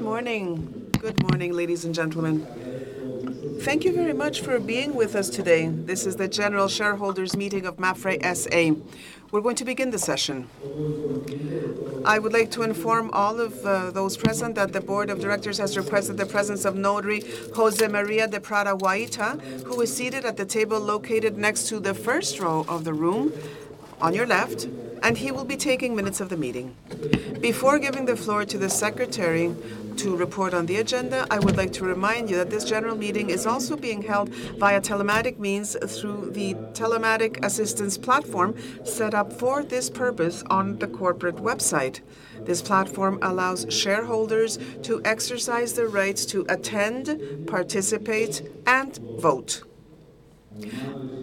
Good morning. Good morning, ladies and gentlemen. Thank you very much for being with us today. This is the general shareholders meeting of MAPFRE, S.A. We're going to begin the session. I would like to inform all of those present that the board of directors has requested the presence of Notary José María de Prada Guaita, who is seated at the table located next to the first row of the room on your left, and he will be taking minutes of the meeting. Before giving the floor to the secretary to report on the agenda, I would like to remind you that this general meeting is also being held via telematic means through the Telematic Assistance Platform set up for this purpose on the corporate website. This platform allows shareholders to exercise their rights to attend, participate, and vote.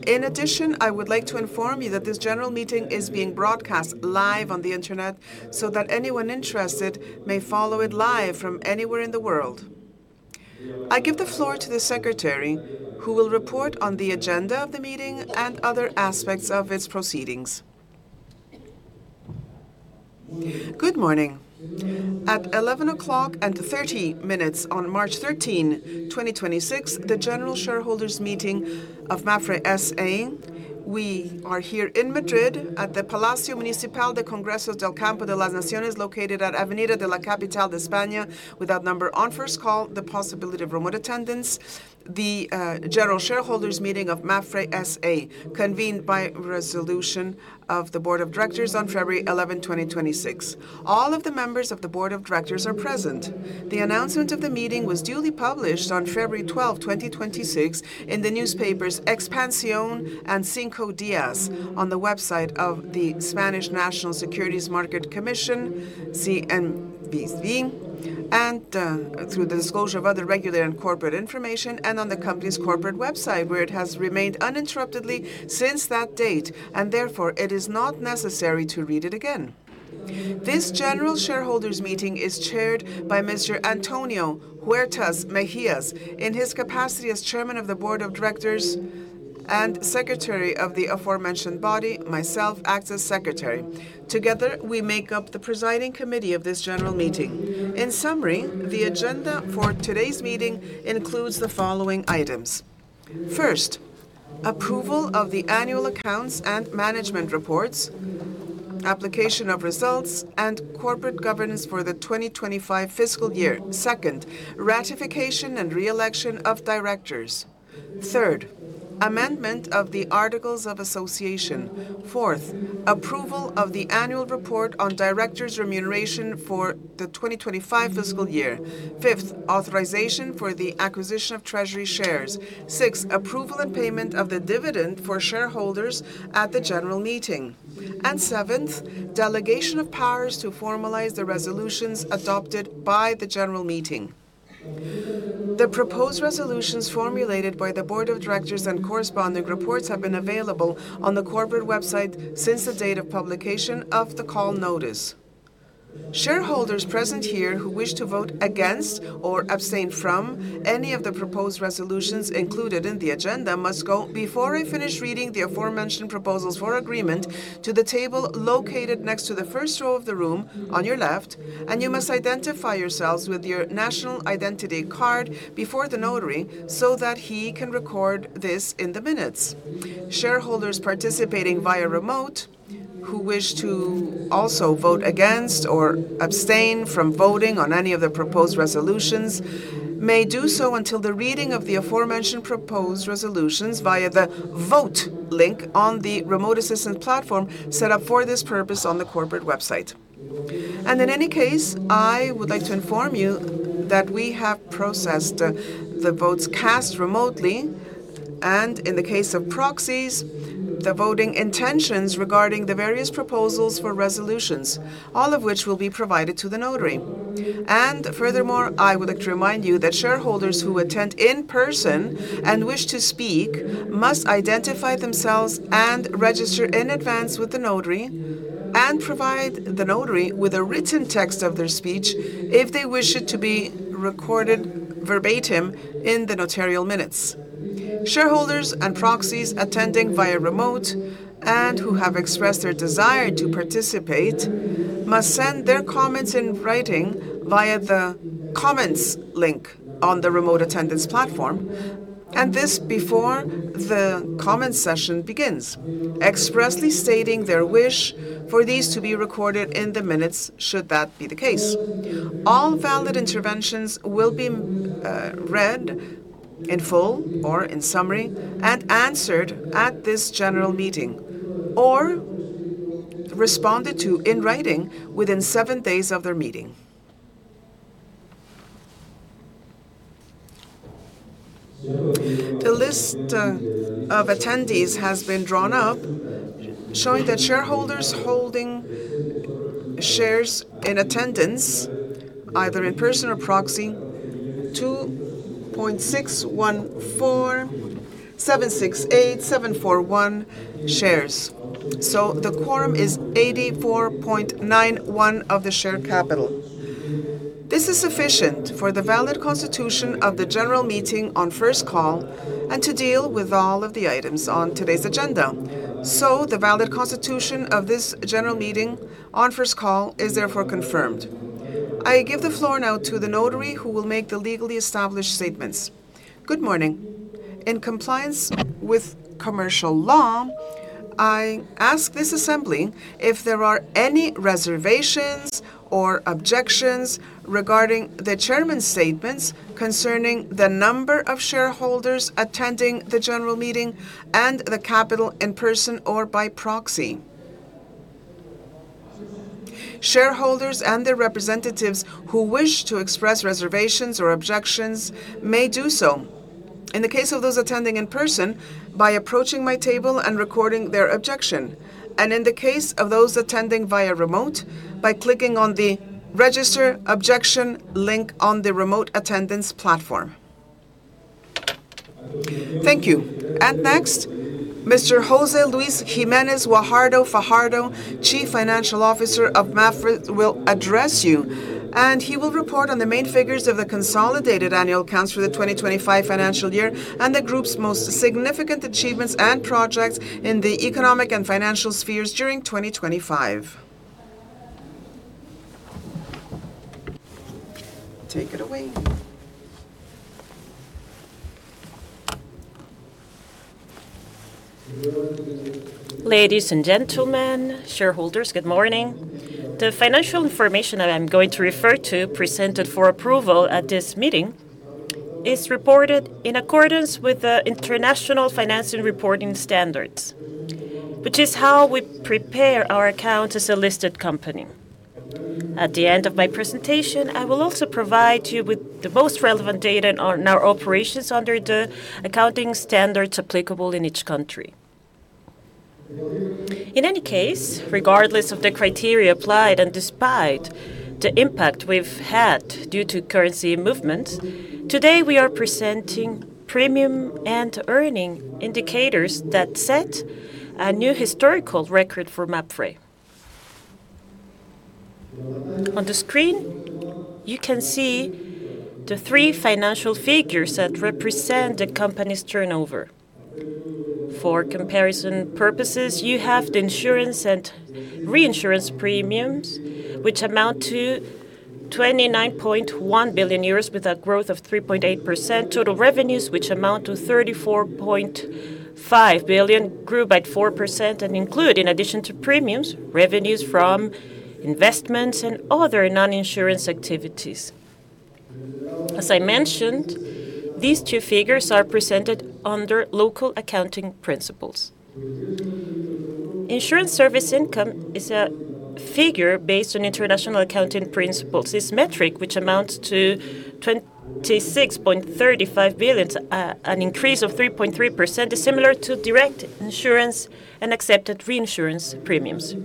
In addition, I would like to inform you that this general meeting is being broadcast live on the Internet so that anyone interested may follow it live from anywhere in the world. I give the floor to the secretary, who will report on the agenda of the meeting and other aspects of its proceedings. Good morning. At 11:30 A.M. on March 13, 2026, the general shareholders meeting of MAPFRE, S.A. We are here in Madrid at the Palacio Municipal de Congresos del Campo de las Naciones, located at Avenida de la Capital de España, without number. On first call, the possibility of remote attendance, the general shareholders meeting of MAPFRE, S.A., convened by resolution of the board of directors on February 11, 2026. All of the members of the board of directors are present. The announcement of the meeting was duly published on February 12, 2026 in the newspapers Expansión and Cinco Días, on the website of the Spanish National Securities Market Commission, CNMV, and through the disclosure of other regular and corporate information, and on the company's corporate website, where it has remained uninterruptedly since that date, and therefore, it is not necessary to read it again. This general shareholders meeting is chaired by Mr. Antonio Huertas Mejías. In his capacity as chairman of the board of directors and secretary of the aforementioned body, myself act as secretary. Together, we make up the presiding committee of this general meeting. In summary, the agenda for today's meeting includes the following items. First, approval of the annual accounts and management reports, application of results, and corporate governance for the 2025 fiscal year. Second, ratification and re-election of directors. Third, amendment of the articles of association. Fourth, approval of the annual report on directors' remuneration for the 2025 fiscal year. Fifth, authorization for the acquisition of treasury shares. Sixth, approval and payment of the dividend for shareholders at the general meeting. Seventh, delegation of powers to formalize the resolutions adopted by the general meeting. The proposed resolutions formulated by the board of directors and corresponding reports have been available on the corporate website since the date of publication of the call notice. Shareholders present here who wish to vote against or abstain from any of the proposed resolutions included in the agenda must go, before I finish reading the aforementioned proposals for agreement, to the table located next to the first row of the room on your left, and you must identify yourselves with your national identity card before the notary so that he can record this in the minutes. Shareholders participating via remote who wish to also vote against or abstain from voting on any of the proposed resolutions may do so until the reading of the aforementioned proposed resolutions via the Vote link on the Remote Assistance Platform set up for this purpose on the corporate website. In any case, I would like to inform you that we have processed the votes cast remotely, and in the case of proxies, the voting intentions regarding the various proposals for resolutions, all of which will be provided to the notary. Furthermore, I would like to remind you that shareholders who attend in person and wish to speak must identify themselves and register in advance with the notary and provide the notary with a written text of their speech if they wish it to be recorded verbatim in the notarial minutes. Shareholders and proxies attending via remote and who have expressed their desire to participate must send their comments in writing via the Comments link on the Remote Attendance Platform, and this before the comments session begins, expressly stating their wish for these to be recorded in the minutes, should that be the case. All valid interventions will be read in full or in summary and answered at this general meeting or responded to in writing within seven days of their meeting. The list of attendees has been drawn up, showing that shareholders holding shares in attendance, either in person or proxy, 2.614768741 shares. The quorum is 84.91% of the share capital. This is sufficient for the valid constitution of the general meeting on first call and to deal with all of the items on today's agenda. The valid constitution of this general meeting on first call is therefore confirmed. I give the floor now to the notary, who will make the legally established statements. Good morning. In compliance with commercial law, I ask this assembly if there are any reservations or objections regarding the chairman's statements concerning the number of shareholders attending the general meeting and the capital in person or by proxy. Shareholders and their representatives who wish to express reservations or objections may do so, in the case of those attending in person, by approaching my table and recording their objection, and in the case of those attending via remote, by clicking on the Register Objection link on the remote attendance platform. Thank you. Next, Mr. José Luis Jiménez Guajardo-Fajardo, Guajardo-Fajardo, Chief Financial Officer of MAPFRE, will address you, and he will report on the main figures of the consolidated annual accounts for the 2025 financial year and the group's most significant achievements and projects in the economic and financial spheres during 2025. Take it away. Ladies and gentlemen, shareholders, good morning. The financial information that I'm going to refer to, presented for approval at this meeting, is reported in accordance with the International Financial Reporting Standards, which is how we prepare our accounts as a listed company. At the end of my presentation, I will also provide you with the most relevant data on our operations under the accounting standards applicable in each country. In any case, regardless of the criteria applied and despite the impact we've had due to currency movements, today we are presenting premium and earnings indicators that set a new historical record for MAPFRE. On the screen, you can see the three financial figures that represent the company's turnover. For comparison purposes, you have the insurance and reinsurance premiums, which amount to 29.1 billion euros with a growth of 3.8%. Total revenues, which amount to 34.5 billion, grew by 4% and include, in addition to premiums, revenues from investments and other non-insurance activities. As I mentioned, these two figures are presented under local accounting principles. Insurance service income is a figure based on international accounting principles. This metric, which amounts to 26.35 billion, an increase of 3.3%, is similar to direct insurance and accepted reinsurance premiums.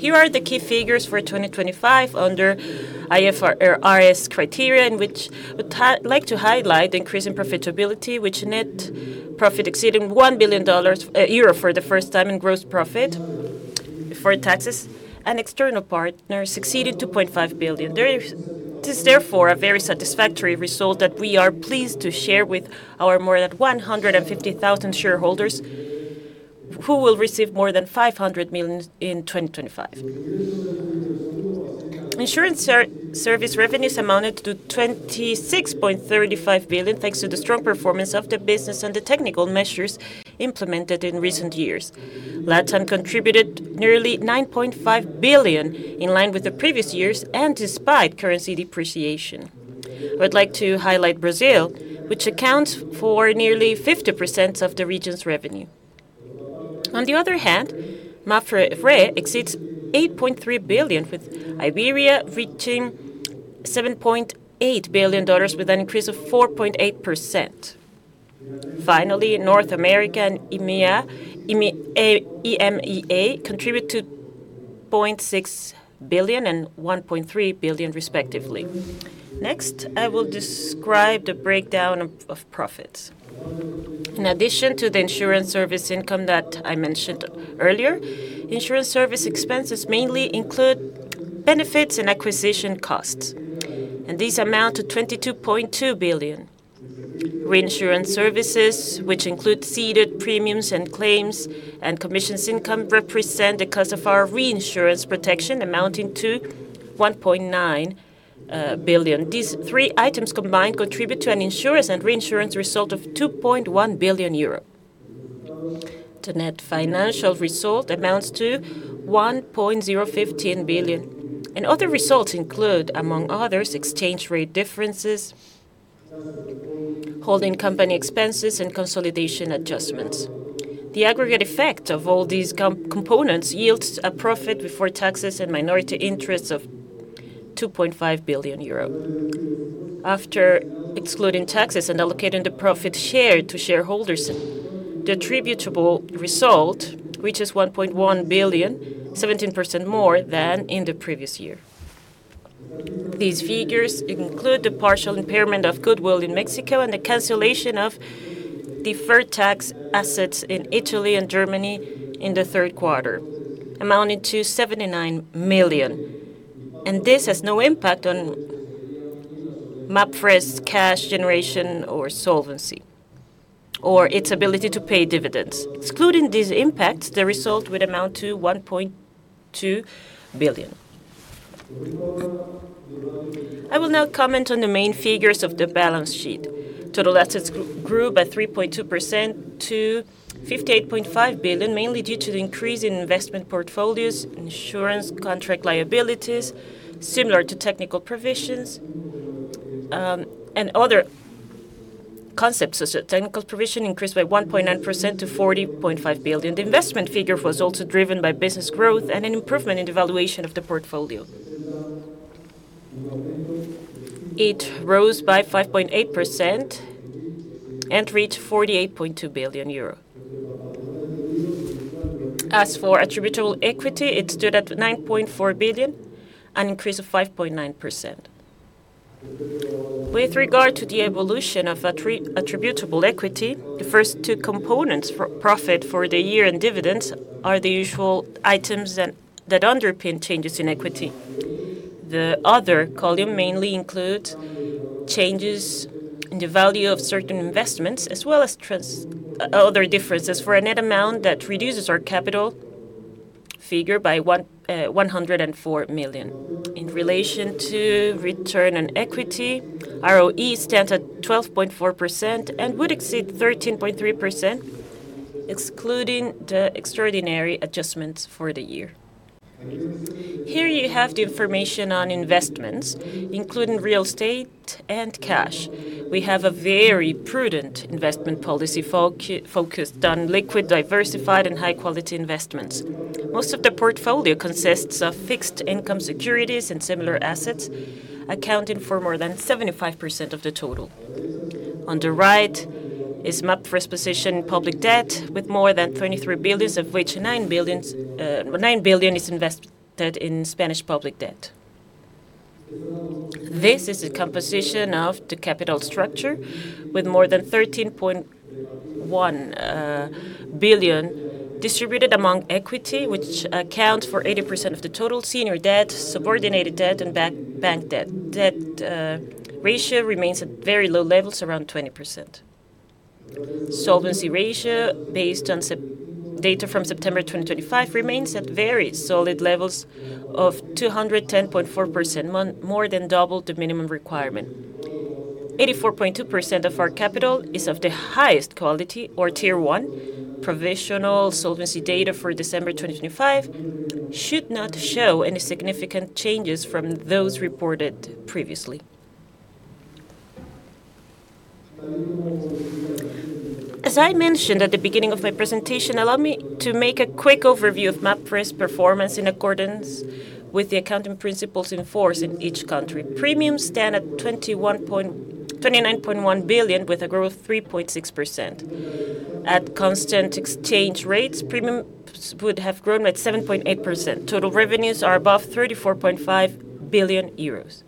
Here are the key figures for 2025 under IFRS criteria in which we'd like to highlight the increase in profitability, with net profit exceeding 1 billion euro for the first time in gross profit before taxes and external partners exceeded 2.5 billion. There is therefore a very satisfactory result that we are pleased to share with our more than 150,000 shareholders, who will receive more than 500 million in 2025. Insurance service revenues amounted to 26.35 billion, thanks to the strong performance of the business and the technical measures implemented in recent years. LatAm contributed nearly 9.5 billion, in line with the previous years and despite currency depreciation. I would like to highlight Brazil, which accounts for nearly 50% of the region's revenue. On the other hand, MAPFRE RE exceeds 8.3 billion, with Iberia reaching $7.8 billion with an increase of 4.8%. Finally, North America and EMEA contribute 2.6 billion and 1.3 billion respectively. Next, I will describe the breakdown of profits. In addition to the insurance service income that I mentioned earlier, insurance service expenses mainly include benefits and acquisition costs, and these amount to 22.2 billion. Reinsurance services, which include ceded premiums and claims and commissions income, represent the cost of our reinsurance protection amounting to 1.9 billion. These three items combined contribute to an insurance and reinsurance result of 2.1 billion euro. The net financial result amounts to 1.015 billion, and other results include, among others, exchange rate differences, holding company expenses, and consolidation adjustments. The aggregate effect of all these components yields a profit before taxes and minority interests of 2.5 billion euro. After excluding taxes and allocating the profit share to shareholders, the attributable result reaches 1.1 billion, 17% more than in the previous year. These figures include the partial impairment of goodwill in Mexico and the cancellation of deferred tax assets in Italy and Germany in the third quarter, amounting to 79 million, and this has no impact on MAPFRE's cash generation or solvency or its ability to pay dividends. Excluding these impacts, the result would amount to 1.2 billion. I will now comment on the main figures of the balance sheet. Total assets grew by 3.2% to 58.5 billion, mainly due to the increase in investment portfolios, insurance contract liabilities, similar to technical provisions, and other concepts. As a technical provision increased by 1.9% to 40.5 billion. The investment figure was also driven by business growth and an improvement in the valuation of the portfolio. It rose by 5.8% and reached 48.2 billion euro. As for attributable equity, it stood at 9.4 billion, an increase of 5.9%. With regard to the evolution of attributable equity, the first two components for profit for the year and dividends are the usual items that underpin changes in equity. The other column mainly includes changes in the value of certain investments, as well as other differences for a net amount that reduces our capital figure by 104 million. In relation to return on equity, ROE stands at 12.4% and would exceed 13.3% excluding the extraordinary adjustments for the year. Here you have the information on investments, including real estate and cash. We have a very prudent investment policy focused on liquid, diversified, and high-quality investments. Most of the portfolio consists of fixed income securities and similar assets, accounting for more than 75% of the total. On the right is Mapfre's position in public debt, with more than 23 billion, of which 9 billion is invested in Spanish public debt. This is the composition of the capital structure, with more than 13.1 billion distributed among equity, which accounts for 80% of the total senior debt, subordinated debt, and bank debt. Debt ratio remains at very low levels, around 20%. Solvency ratio, based on September data from September 2025, remains at very solid levels of 210.4%, more than double the minimum requirement. 84.2% of our capital is of the highest quality or Tier 1. Provisional solvency data for December 2025 should not show any significant changes from those reported previously. As I mentioned at the beginning of my presentation, allow me to make a quick overview of Mapfre's performance in accordance with the accounting principles in force in each country. Premiums stand at 29.1 billion, with a growth of 3.6%. At constant exchange rates, premiums would have grown at 7.8%. Total revenues are above 34.5 billion euros.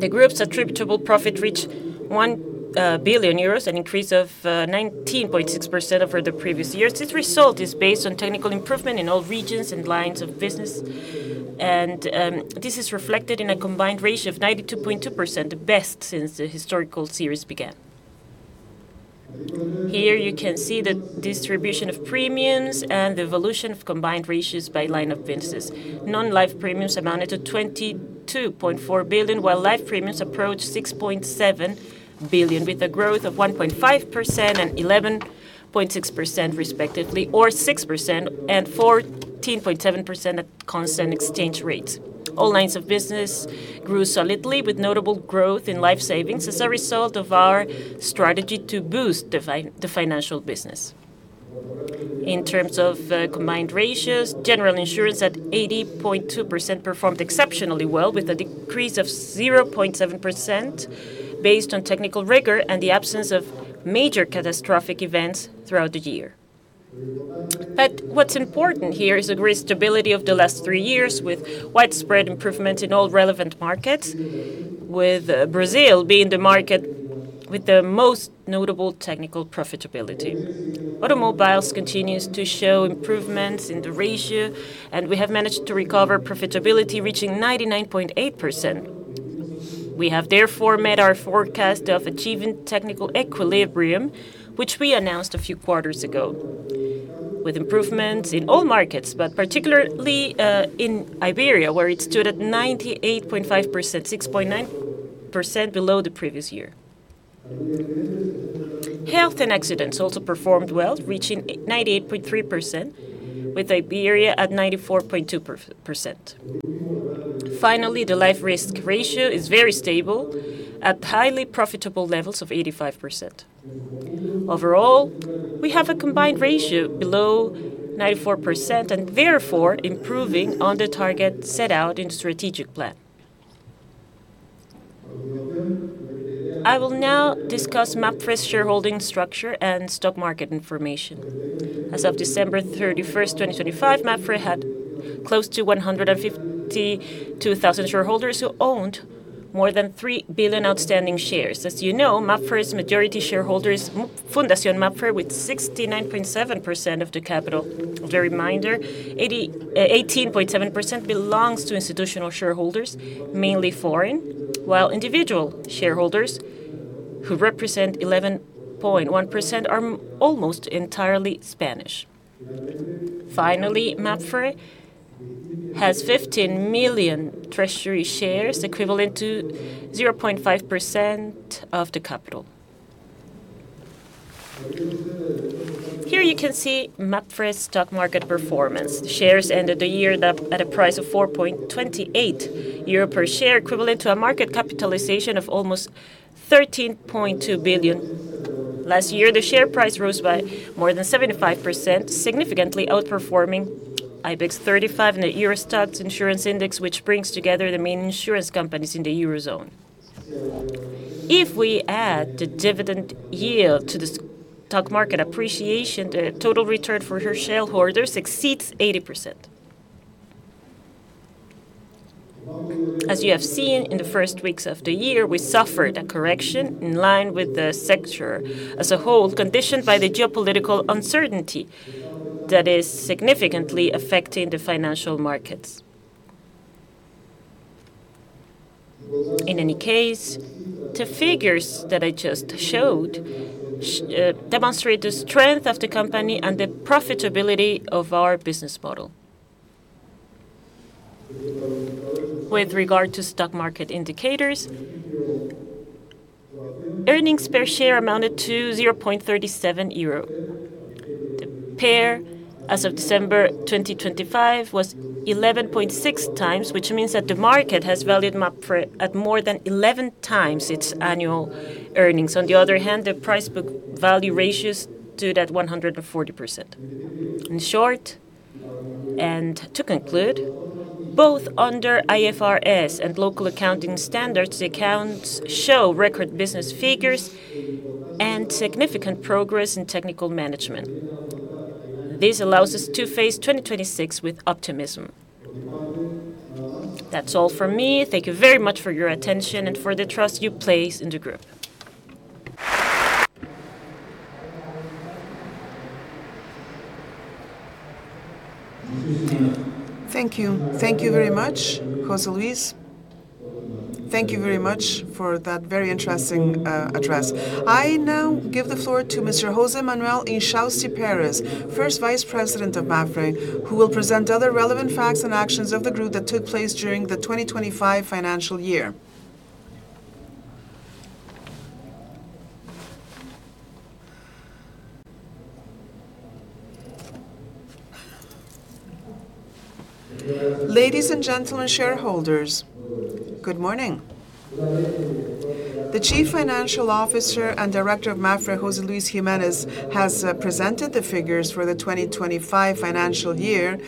The group's attributable profit reached 1 billion euros, an increase of 19.6% over the previous year. This result is based on technical improvement in all regions and lines of business, and this is reflected in a combined ratio of 92.2%, the best since the historical series began. Here you can see the distribution of premiums and the evolution of combined ratios by line of business. Non-life premiums amounted to 22.4 billion, while life premiums approached 6.7 billion, with a growth of 1.5% and 11.6% respectively, or 6% and 14.7% at constant exchange rates. All lines of business grew solidly, with notable growth in life savings as a result of our strategy to boost the financial business. In terms of combined ratios, general insurance at 80.2% performed exceptionally well, with a decrease of 0.7% based on technical rigor and the absence of major catastrophic events throughout the year. What's important here is the great stability of the last three years, with widespread improvement in all relevant markets, with Brazil being the market with the most notable technical profitability. Automobiles continues to show improvements in the ratio, and we have managed to recover profitability, reaching 99.8%. We have therefore met our forecast of achieving technical equilibrium, which we announced a few quarters ago, with improvements in all markets, but particularly in Iberia, where it stood at 98.5%, 6.9% below the previous year. Health and accidents also performed well, reaching 98.3%, with Iberia at 94.2%. Finally, the life risk ratio is very stable at highly profitable levels of 85%. Overall, we have a combined ratio below 94% and therefore improving on the target set out in strategic plan. I will now discuss MAPFRE's shareholding structure and stock market information. As of December 31, 2025, MAPFRE had close to 152,000 shareholders who owned more than 3 billion outstanding shares. As you know, MAPFRE's majority shareholder is Fundación MAPFRE with 69.7% of the capital. A reminder, 18.7% belongs to institutional shareholders, mainly foreign, while individual shareholders who represent 11.1% are almost entirely Spanish. Finally, MAPFRE has 15 million treasury shares equivalent to 0.5% of the capital. Here you can see MAPFRE's stock market performance. The shares ended the year up at a price of 4.28 euro per share, equivalent to a market capitalization of almost 13.2 billion. Last year, the share price rose by more than 75%, significantly outperforming IBEX 35 in the EURO STOXX Insurance Index, which brings together the main insurance companies in the Eurozone. If we add the dividend yield to the stock market appreciation, the total return for shareholders exceeds 80%. As you have seen in the first weeks of the year, we suffered a correction in line with the sector as a whole, conditioned by the geopolitical uncertainty that is significantly affecting the financial markets. In any case, the figures that I just showed demonstrate the strength of the company and the profitability of our business model. With regard to stock market indicators, earnings per share amounted to 0.37 euro. The P/E as of December 2025 was 11.6x, which means that the market has valued Mapfre at more than 11x its annual earnings. On the other hand, the price-to-book value ratio stood at 140%. In short, and to conclude, both under IFRS and local accounting standards, the accounts show record business figures and significant progress in technical management. This allows us to face 2026 with optimism. That's all from me. Thank you very much for your attention and for the trust you place in the group. Thank you. Thank you very much, José Luis. Thank you very much for that very interesting address. I now give the floor to Mr. José Manuel Inchausti Pérez, first vice president of Mapfre, who will present other relevant facts and actions of the group that took place during the 2025 financial year. Ladies and gentlemen, shareholders, good morning. The Chief Financial Officer and Director of Mapfre, José Luis Jiménez, has presented the figures for the 2025 financial year.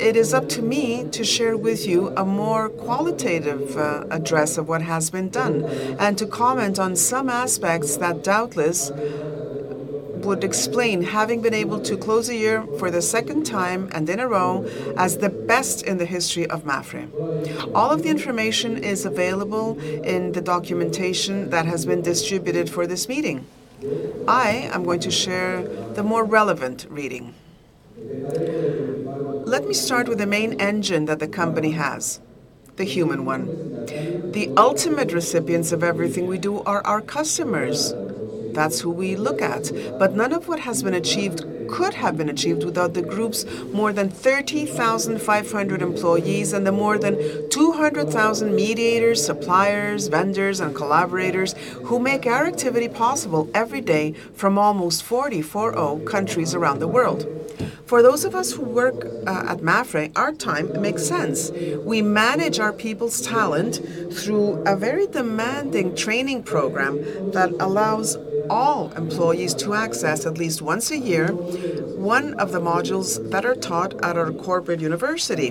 It is up to me to share with you a more qualitative address of what has been done and to comment on some aspects that doubtless would explain having been able to close a year for the second time, and in a row, as the best in the history of Mapfre. All of the information is available in the documentation that has been distributed for this meeting. I am going to share the more relevant reading. Let me start with the main engine that the company has: the human one. The ultimate recipients of everything we do are our customers. That's who we look at. None of what has been achieved could have been achieved without the group's more than 30,500 employees and the more than 200,000 mediators, suppliers, vendors, and collaborators who make our activity possible every day from almost 40 countries around the world. For those of us who work at MAPFRE, our time makes sense. We manage our people's talent through a very demanding training program that allows all employees to access at least once a year one of the modules that are taught at our corporate university,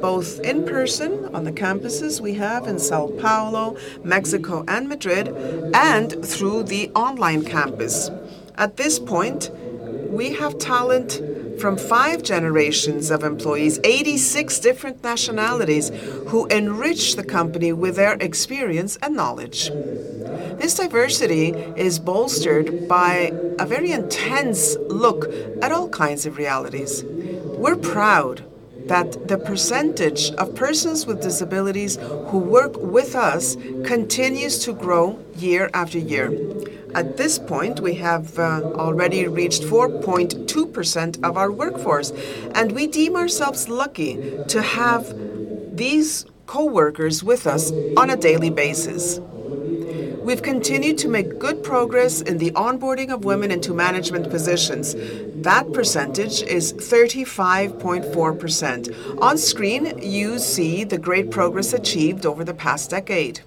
both in person on the campuses we have in São Paulo, Mexico, and Madrid, and through the online campus. At this point, we have talent from five generations of employees, 86 different nationalities, who enrich the company with their experience and knowledge. This diversity is bolstered by a very intense look at all kinds of realities. We're proud that the percentage of persons with disabilities who work with us continues to grow year after year. At this point, we have already reached 4.2% of our workforce, and we deem ourselves lucky to have these coworkers with us on a daily basis. We've continued to make good progress in the onboarding of women into management positions. That percentage is 35.4%. On screen, you see the great progress achieved over the past decade.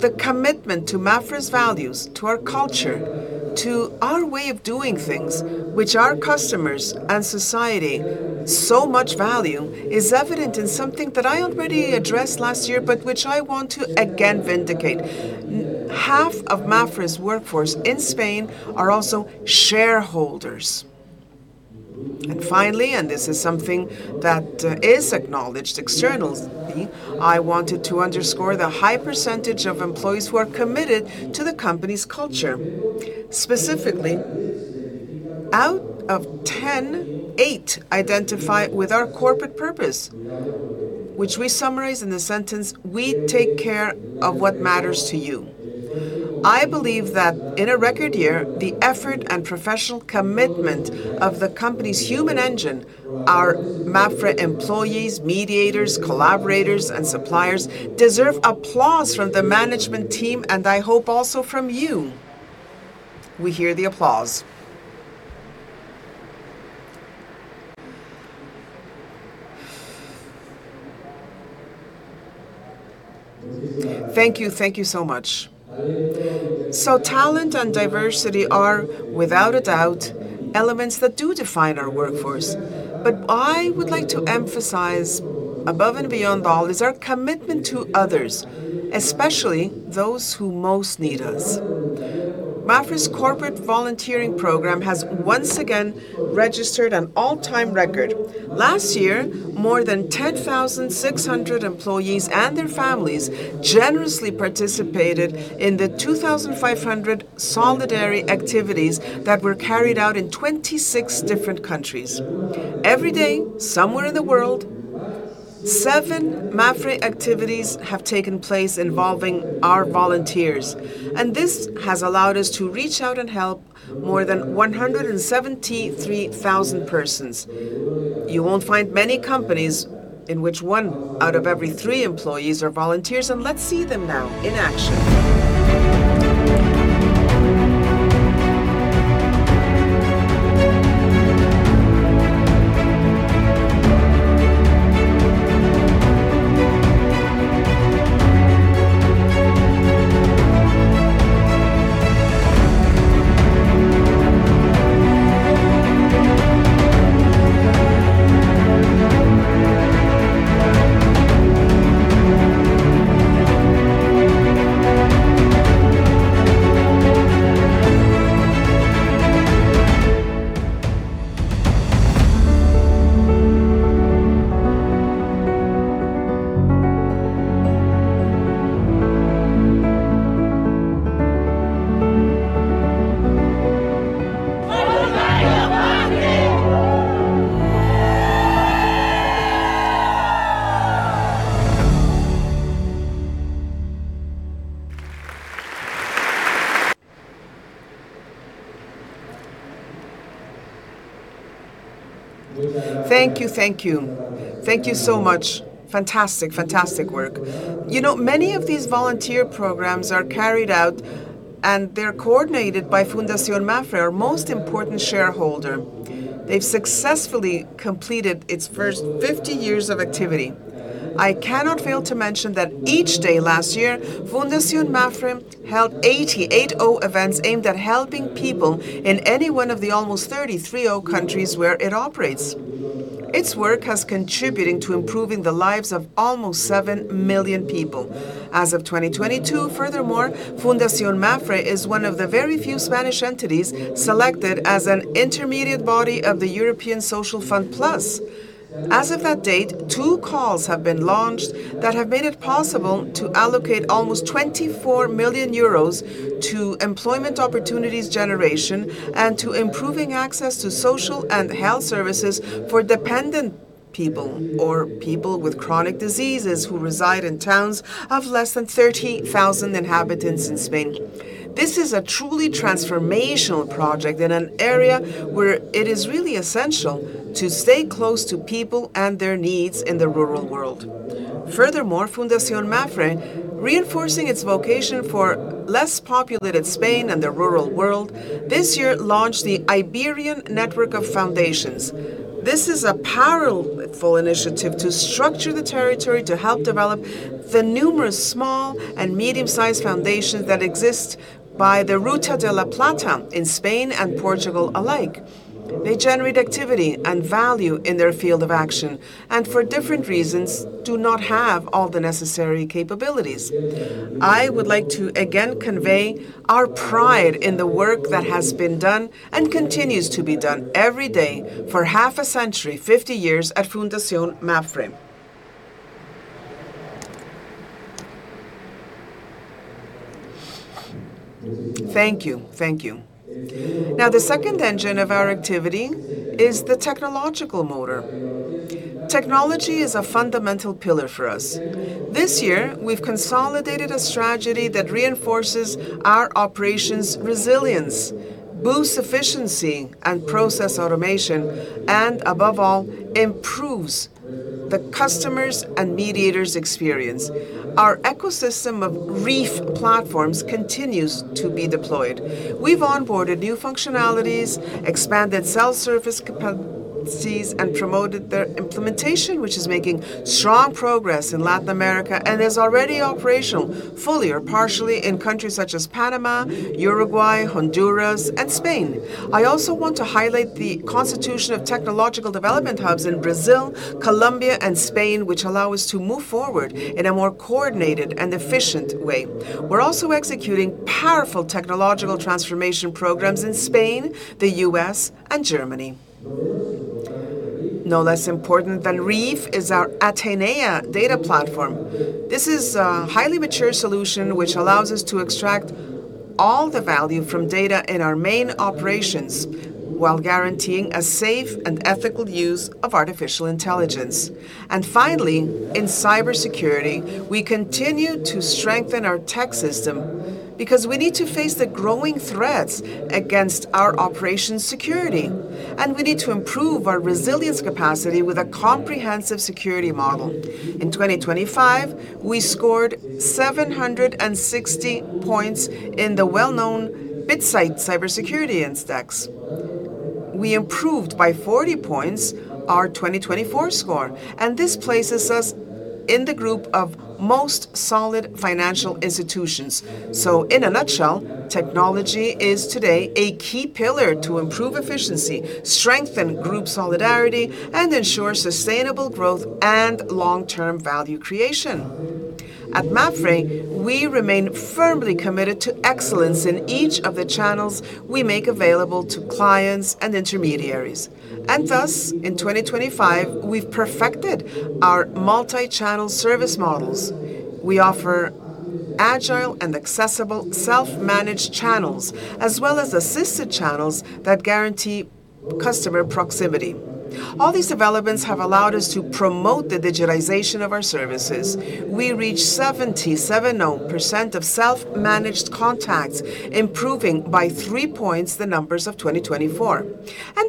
The commitment to Mapfre's values, to our culture, to our way of doing things which our customers and society so much value, is evident in something that I already addressed last year, but which I want to again vindicate. Half of Mapfre's workforce in Spain are also shareholders. Finally, and this is something that is acknowledged externally, I wanted to underscore the high percentage of employees who are committed to the company's culture. Specifically. Out of 10, eight identify with our corporate purpose, which we summarize in the sentence, "We take care of what matters to you." I believe that in a record year, the effort and professional commitment of the company's human engine, our Mapfre employees, mediators, collaborators, and suppliers deserve applause from the management team, and I hope also from you. We hear the applause. Thank you. Thank you so much. Talent and diversity are, without a doubt, elements that do define our workforce. But what I would like to emphasize above and beyond all is our commitment to others, especially those who most need us. Mapfre's corporate volunteering program has once again registered an all-time record. Last year, more than 10,600 employees and their families generously participated in the 2,500 solidary activities that were carried out in 26 different countries. Every day, somewhere in the world, seven MAPFRE activities have taken place involving our volunteers, and this has allowed us to reach out and help more than 173,000 persons. You won't find many companies in which one out of every three employees are volunteers, and let's see them now in action. Thank you. Thank you. Thank you so much. Fantastic, fantastic work. You know, many of these volunteer programs are carried out, and they're coordinated by Fundación MAPFRE, our most important shareholder. They've successfully completed its first 50 years of activity. I cannot fail to mention that each day last year, Fundación MAPFRE held 80 events aimed at helping people in any one of the almost 30 countries where it operates. Its work has contributed to improving the lives of almost 7 million people. As of 2022, furthermore, Fundación MAPFRE is one of the very few Spanish entities selected as an intermediate body of the European Social Fund Plus. As of that date, two calls have been launched that have made it possible to allocate almost 24 million euros to employment opportunities generation and to improving access to social and health services for dependent people or people with chronic diseases who reside in towns of less than 30,000 inhabitants in Spain. This is a truly transformational project in an area where it is really essential to stay close to people and their needs in the rural world. Furthermore, Fundación MAPFRE, reinforcing its vocation for less populated Spain and the rural world, this year launched the Iberian Network of Foundations. This is a powerful initiative to structure the territory to help develop the numerous small and medium-sized foundations that exist by the Ruta de la Plata in Spain and Portugal alike. They generate activity and value in their field of action, and for different reasons, do not have all the necessary capabilities. I would like to again convey our pride in the work that has been done and continues to be done every day for half a century, 50 years, at Fundación Mapfre. Thank you. Thank you. Now, the second engine of our activity is the technological motor. Technology is a fundamental pillar for us. This year, we've consolidated a strategy that reinforces our operations' resilience, boosts efficiency and process automation, and above all, improves the customers' and mediators' experience. Our ecosystem of REEF platforms continues to be deployed. We've onboarded new functionalities, expanded self-service capacities, and promoted their implementation, which is making strong progress in Latin America and is already operational, fully or partially, in countries such as Panama, Uruguay, Honduras, and Spain. I also want to highlight the constitution of technological development hubs in Brazil, Colombia, and Spain, which allow us to move forward in a more coordinated and efficient way. We're also executing powerful technological transformation programs in Spain, the U.S., and Germany. No less important than REEF is our Atenea data platform. This is a highly mature solution which allows us to extract all the value from data in our main operations while guaranteeing a safe and ethical use of artificial intelligence. Finally, in cybersecurity, we continue to strengthen our tech system because we need to face the growing threats against our operations security, and we need to improve our resilience capacity with a comprehensive security model. In 2025, we scored 760 points in the well-known BitSight Cybersecurity Index. We improved by 40 points our 2024 score, and this places us in the group of most solid financial institutions. In a nutshell, technology is today a key pillar to improve efficiency, strengthen group solidarity, and ensure sustainable growth and long-term value creation. At Mapfre, we remain firmly committed to excellence in each of the channels we make available to clients and intermediaries. Thus, in 2025, we've perfected our multi-channel service models. We offer agile and accessible self-managed channels as well as assisted channels that guarantee customer proximity. All these developments have allowed us to promote the digitization of our services. We reached 77% of self-managed contacts, improving by 3 points the numbers of 2024.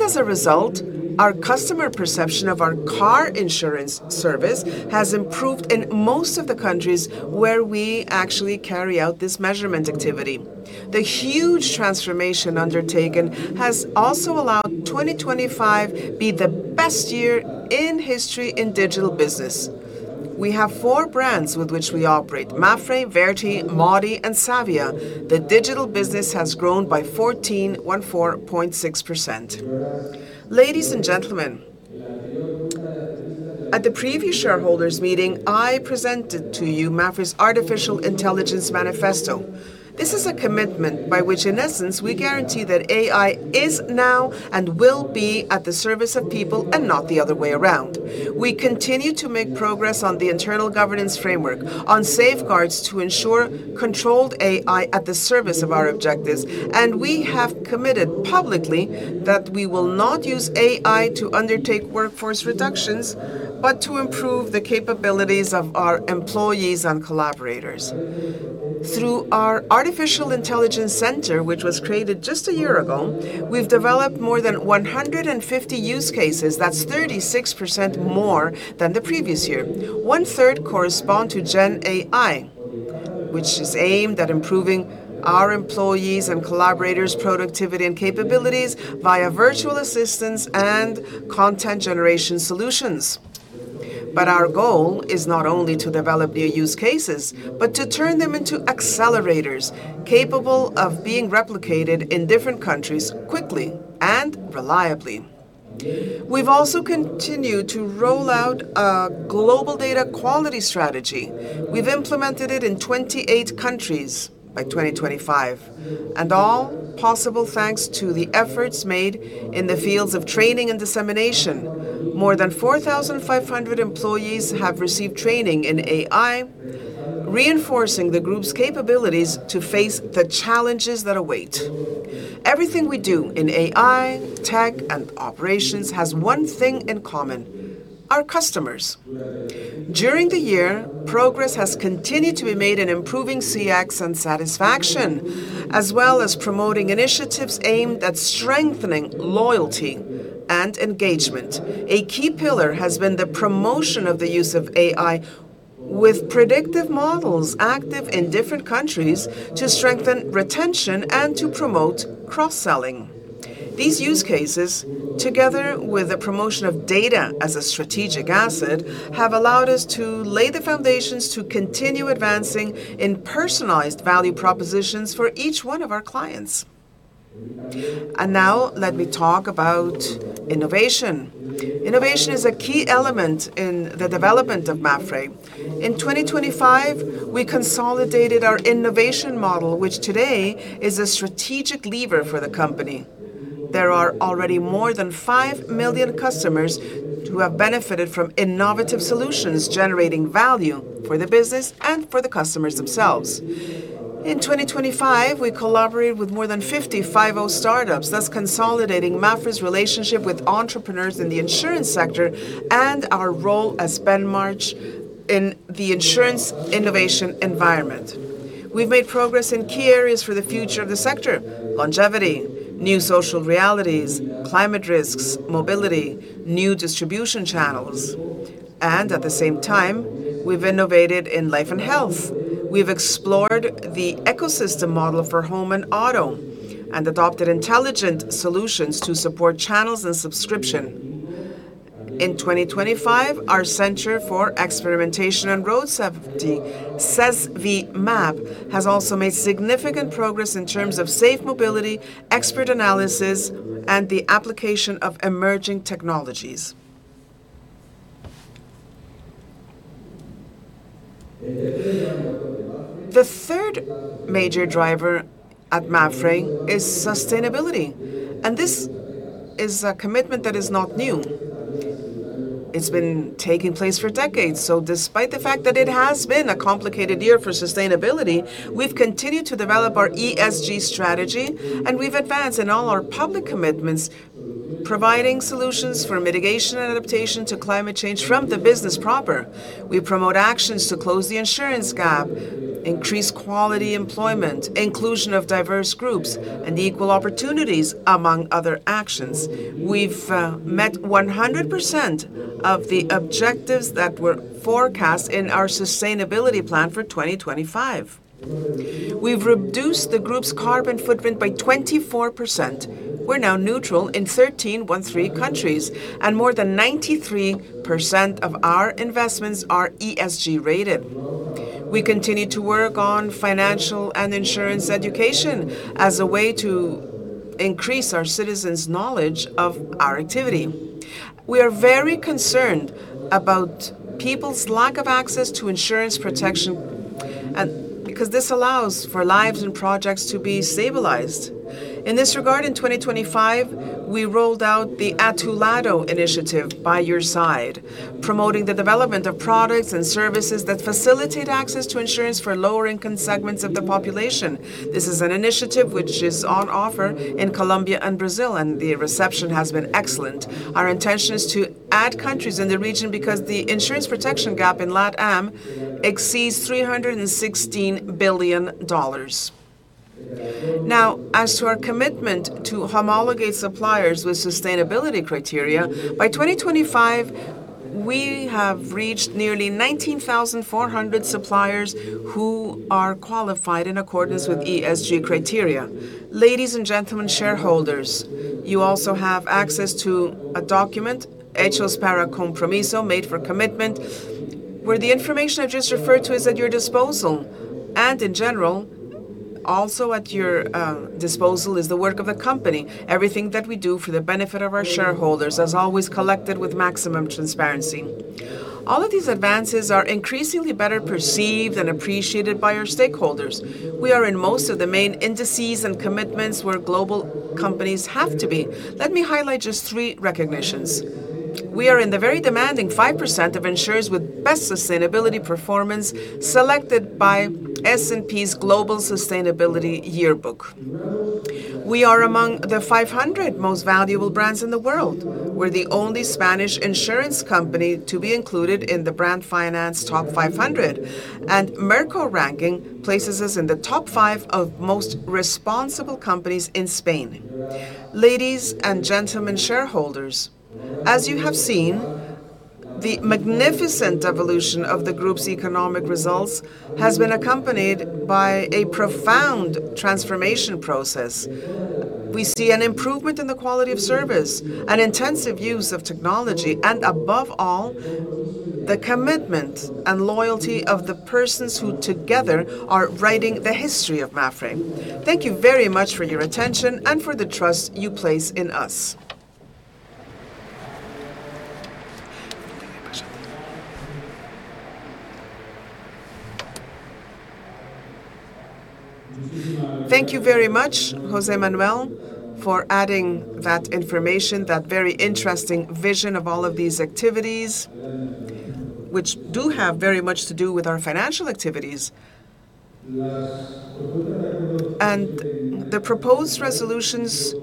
As a result, our customer perception of our car insurance service has improved in most of the countries where we actually carry out this measurement activity. The huge transformation undertaken has also allowed 2025 be the best year in history in digital business. We have 4 brands with which we operate, Mapfre, Verti, MAWDY, and Savia. The digital business has grown by 14.46%. Ladies and gentlemen, at the previous shareholders meeting, I presented to you Mapfre's artificial intelligence manifesto. This is a commitment by which, in essence, we guarantee that AI is now and will be at the service of people and not the other way around. We continue to make progress on the internal governance framework on safeguards to ensure controlled AI at the service of our objectives, and we have committed publicly that we will not use AI to undertake workforce reductions, but to improve the capabilities of our employees and collaborators. Through our artificial intelligence center, which was created just a year ago, we've developed more than 150 use cases. That's 36% more than the previous year. 1/3 correspond to GenAI, which is aimed at improving our employees' and collaborators' productivity and capabilities via virtual assistants and content generation solutions. Our goal is not only to develop new use cases, but to turn them into accelerators capable of being replicated in different countries quickly and reliably. We've also continued to roll out a global data quality strategy. We've implemented it in 28 countries by 2025, and all possible thanks to the efforts made in the fields of training and dissemination. More than 4,500 employees have received training in AI, reinforcing the group's capabilities to face the challenges that await. Everything we do in AI, tech, and operations has one thing in common: our customers. During the year, progress has continued to be made in improving CX and satisfaction, as well as promoting initiatives aimed at strengthening loyalty and engagement. A key pillar has been the promotion of the use of AI with predictive models active in different countries to strengthen retention and to promote cross-selling. These use cases, together with the promotion of data as a strategic asset, have allowed us to lay the foundations to continue advancing in personalized value propositions for each one of our clients. Now let me talk about innovation. Innovation is a key element in the development of Mapfre. In 2025, we consolidated our innovation model, which today is a strategic lever for the company. There are already more than 5 million customers who have benefited from innovative solutions, generating value for the business and for the customers themselves. In 2025, we collaborated with more than 50 startups, thus consolidating Mapfre's relationship with entrepreneurs in the insurance sector and our role as benchmark in the insurance innovation environment. We've made progress in key areas for the future of the sector, longevity, new social realities, climate risks, mobility, new distribution channels. At the same time, we've innovated in life and health. We've explored the ecosystem model for home and auto and adopted intelligent solutions to support channels and subscription. In 2025, our Center for Experimentation and Road Safety, CESVIMAP, has also made significant progress in terms of safe mobility, expert analysis, and the application of emerging technologies. The third major driver at Mapfre is sustainability, and this is a commitment that is not new. It's been taking place for decades. Despite the fact that it has been a complicated year for sustainability, we've continued to develop our ESG strategy, and we've advanced in all our public commitments, providing solutions for mitigation and adaptation to climate change from the business proper. We promote actions to close the insurance gap, increase quality employment, inclusion of diverse groups, and equal opportunities, among other actions. We've met 100% of the objectives that were forecast in our sustainability plan for 2025. We've reduced the group's carbon footprint by 24%. We're now neutral in 13/13 countries, and more than 93% of our investments are ESG-rated. We continue to work on financial and insurance education as a way to increase our citizens' knowledge of our activity. We are very concerned about people's lack of access to insurance protection because this allows for lives and projects to be stabilized. In this regard, in 2025, we rolled out the A Tu Lado initiative, By Your Side, promoting the development of products and services that facilitate access to insurance for lower-income segments of the population. This is an initiative which is on offer in Colombia and Brazil, and the reception has been excellent. Our intention is to add countries in the region because the insurance protection gap in LATAM exceeds $316 billion. Now, as to our commitment to homologate suppliers with sustainability criteria, by 2025, we have reached nearly 19,400 suppliers who are qualified in accordance with ESG criteria. Ladies and gentlemen, shareholders, you also have access to a document, Hechos para Compromiso, Made for Commitment, where the information I've just referred to is at your disposal. In general, also at your disposal is the work of the company, everything that we do for the benefit of our shareholders, as always, collected with maximum transparency. All of these advances are increasingly better perceived and appreciated by our stakeholders. We are in most of the main indices and commitments where global companies have to be. Let me highlight just three recognitions. We are in the very demanding 5% of insurers with best sustainability performance selected by S&P Global Sustainability Yearbook. We are among the 500 most valuable brands in the world. We're the only Spanish insurance company to be included in the Brand Finance top 500, and Merco ranking places us in the top 5 of most responsible companies in Spain. Ladies and gentlemen, shareholders, as you have seen, the magnificent evolution of the group's economic results has been accompanied by a profound transformation process. We see an improvement in the quality of service, an intensive use of technology, and above all, the commitment and loyalty of the persons who together are writing the history of Mapfre. Thank you very much for your attention and for the trust you place in us. Thank you very much, José Manuel, for adding that information, that very interesting vision of all of these activities, which do have very much to do with our financial activities. The proposed resolutions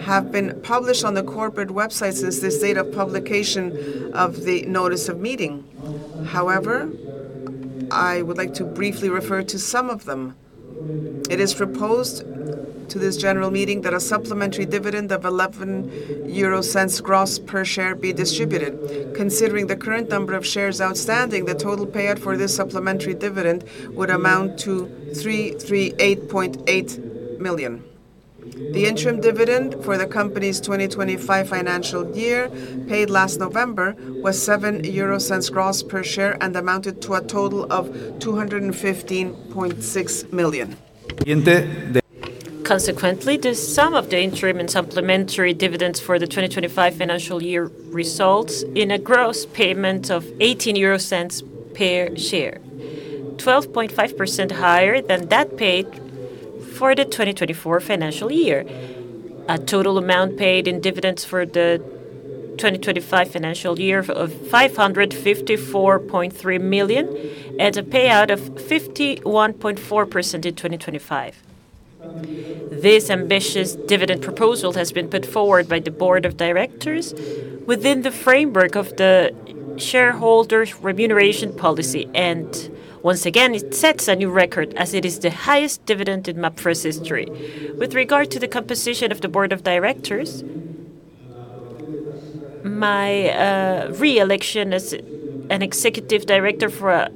have been published on the corporate website since this date of publication of the notice of meeting. However, I would like to briefly refer to some of them. It is proposed to this general meeting that a supplementary dividend of 0.11 gross per share be distributed. Considering the current number of shares outstanding, the total payout for this supplementary dividend would amount to 338.8 million. The interim dividend for the company's 2025 financial year, paid last November, was 0.07 gross per share and amounted to a total of 215.6 million. Consequently, the sum of the interim and supplementary dividends for the 2025 financial year results in a gross payment of 0.18 per share, 12.5% higher than that paid for the 2024 financial year, a total amount paid in dividends for the 2025 financial year of 554.3 million, and a payout of 51.4% in 2025. This ambitious dividend proposal has been put forward by the board of directors within the framework of the shareholders' remuneration policy, and once again, it sets a new record as it is the highest dividend in Mapfre's history. With regard to the composition of the board of directors, my re-election as an executive director for a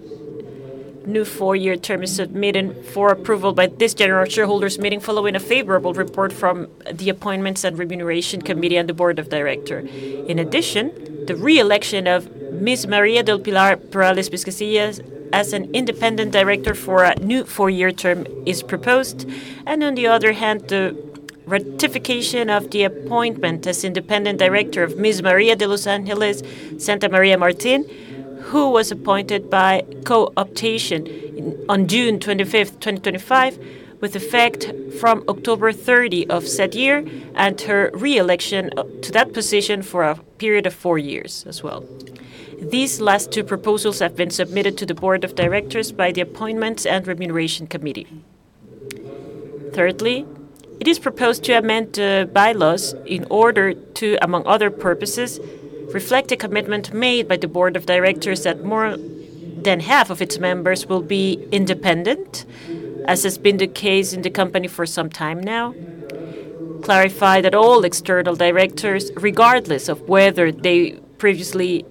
new four-year term is submitted for approval by this general shareholders' meeting, following a favorable report from the Appointments and Remuneration Committee and the board of directors. In addition, the re-election of Ms. María del Pilar Perales Viscasillas as an independent director for a new four-year term is proposed. On the other hand, the ratification of the appointment as independent director of Ms. María de los Ángeles Santamaría Martín. Who was appointed by co-optation on June 25, 2025, with effect from October 30 of said year, and her reelection to that position for a period of 4 years as well. These last two proposals have been submitted to the board of directors by the Appointments and Remuneration Committee. Thirdly, it is proposed to amend the bylaws in order to, among other purposes, reflect a commitment made by the board of directors that more than half of its members will be independent, as has been the case in the company for some time now. Clarify that all external directors, regardless of whether they previously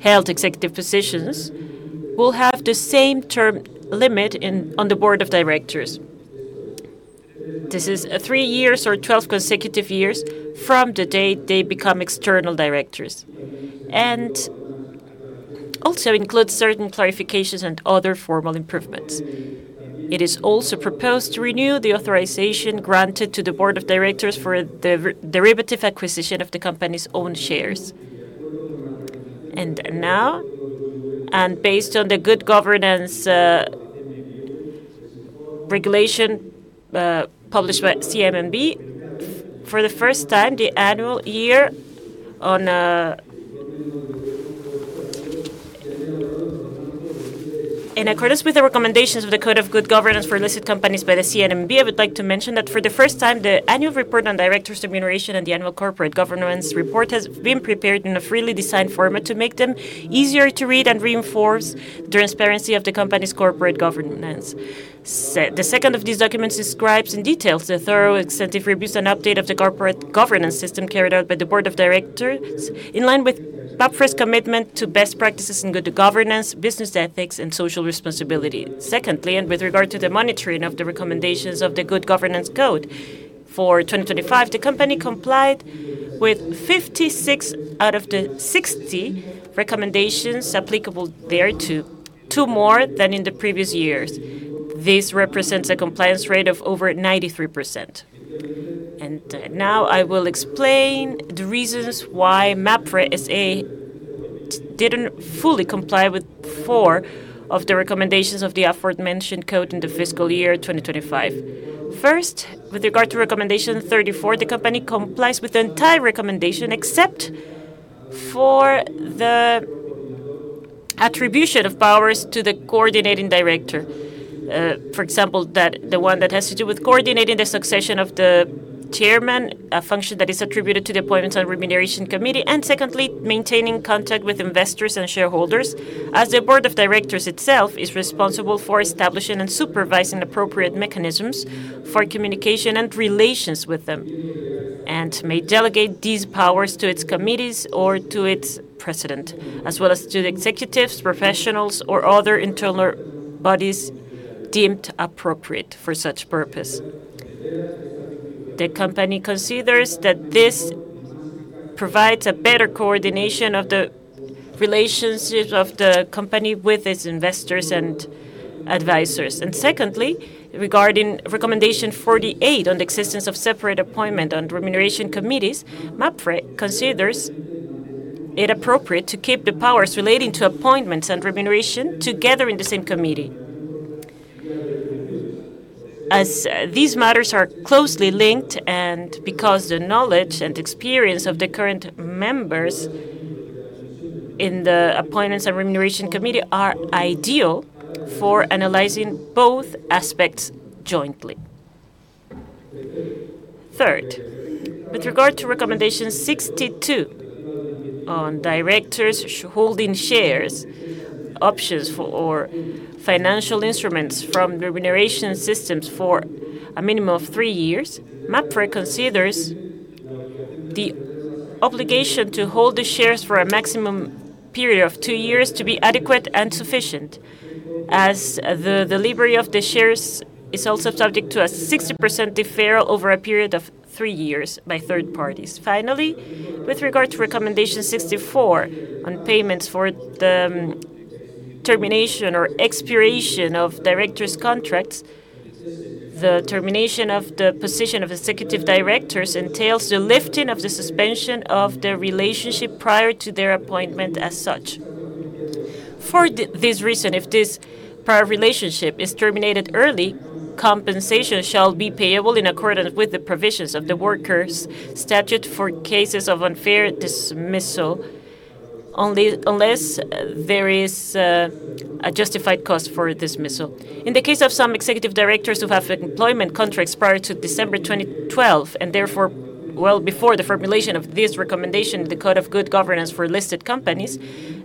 held executive positions, will have the same term limit on the board of directors. This is 3 years or 12 consecutive years from the date they become external directors. Also includes certain clarifications and other formal improvements. It is also proposed to renew the authorization granted to the board of directors for the derivative acquisition of the company's own shares. In accordance with the recommendations of the Code of Good Governance for Listed Companies by the CNMV, I would like to mention that for the first time, the annual report on directors' remuneration and the annual corporate governance report has been prepared in a freely designed format to make them easier to read and reinforce the transparency of the company's corporate governance. The second of these documents describes in detail the thorough extensive reviews and update of the corporate governance system carried out by the board of directors, in line with Mapfre's commitment to best practices in good governance, business ethics, and social responsibility. Secondly, with regard to the monitoring of the recommendations of the Good Governance Code for 2025, the company complied with 56 out of the 60 recommendations applicable thereto, two more than in the previous years. This represents a compliance rate of over 93%. Now I will explain the reasons why Mapfre S.A. didn't fully comply with four of the recommendations of the aforementioned code in the fiscal year 2025. First, with regard to recommendation 34, the company complies with the entire recommendation except for the attribution of powers to the coordinating director. For example, that the one that has to do with coordinating the succession of the chairman, a function that is attributed to the Appointments and Remuneration Committee. Secondly, maintaining contact with investors and shareholders, as the board of directors itself is responsible for establishing and supervising appropriate mechanisms for communication and relations with them, and may delegate these powers to its committees or to its president, as well as to the executives, professionals, or other internal bodies deemed appropriate for such purpose. The company considers that this provides a better coordination of the relationships of the company with its investors and advisors. Secondly, regarding recommendation 48 on the existence of separate appointment on remuneration committees, Mapfre considers it appropriate to keep the powers relating to appointments and remuneration together in the same committee. As these matters are closely linked and because the knowledge and experience of the current members in the Appointments and Remuneration Committee are ideal for analyzing both aspects jointly. Third, with regard to recommendation 62 on directors holding shares, options or financial instruments from remuneration systems for a minimum of 3 years, Mapfre considers the obligation to hold the shares for a maximum period of 2 years to be adequate and sufficient, as the delivery of the shares is also subject to a 60% deferral over a period of 3 years by third parties. Finally, with regard to recommendation 64 on payments for the termination or expiration of directors' contracts, the termination of the position of executive directors entails the lifting of the suspension of their relationship prior to their appointment as such. For this reason, if this prior relationship is terminated early, compensation shall be payable in accordance with the provisions of the Workers' Statute for cases of unfair dismissal, only unless there is a justified cause for a dismissal. In the case of some executive directors who have employment contracts prior to December 2012, and therefore well before the formulation of this recommendation in the Code of Good Governance for Listed Companies,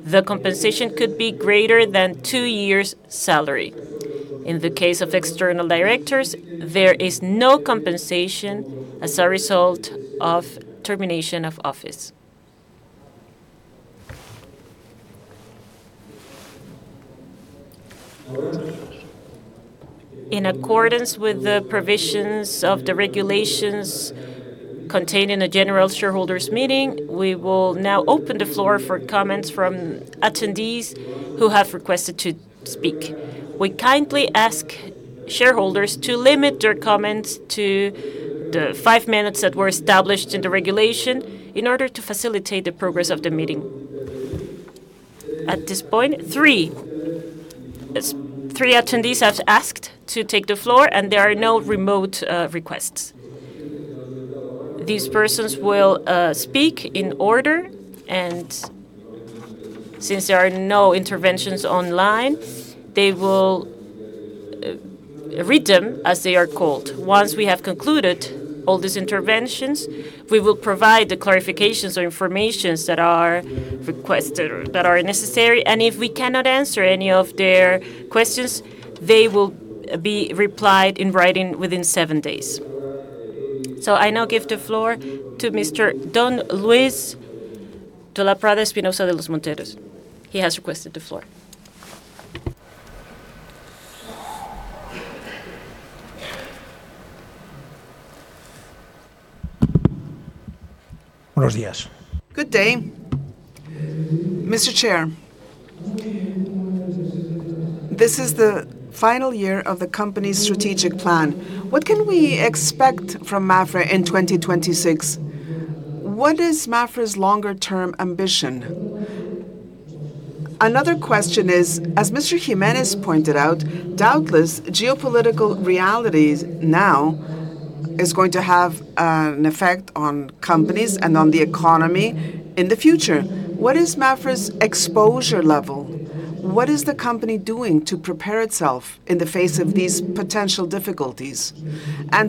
the compensation could be greater than two years' salary. In the case of external directors, there is no compensation as a result of termination of office. In accordance with the provisions of the regulations contained in a general shareholders meeting, we will now open the floor for comments from attendees who have requested to speak. We kindly ask Shareholders to limit their comments to the five minutes that were established in the regulation in order to facilitate the progress of the meeting. At this point, three attendees have asked to take the floor, and there are no remote requests. These persons will speak in order, and since there are no interventions online, they will read them as they are called. Once we have concluded all these interventions, we will provide the clarifications or informations that are requested or that are necessary, and if we cannot answer any of their questions, they will be replied in writing within seven days. I now give the floor to Mr. Don Luis de la Prada Espinosa de los Monteros. He has requested the floor. Buenos días. Good day. Mr. Chair, this is the final year of the company's strategic plan. What can we expect from MAPFRE in 2026? What is MAPFRE's longer-term ambition? Another question is, as Mr. Jiménez pointed out, doubtless geopolitical realities now is going to have an effect on companies and on the economy in the future. What is MAPFRE's exposure level? What is the company doing to prepare itself in the face of these potential difficulties?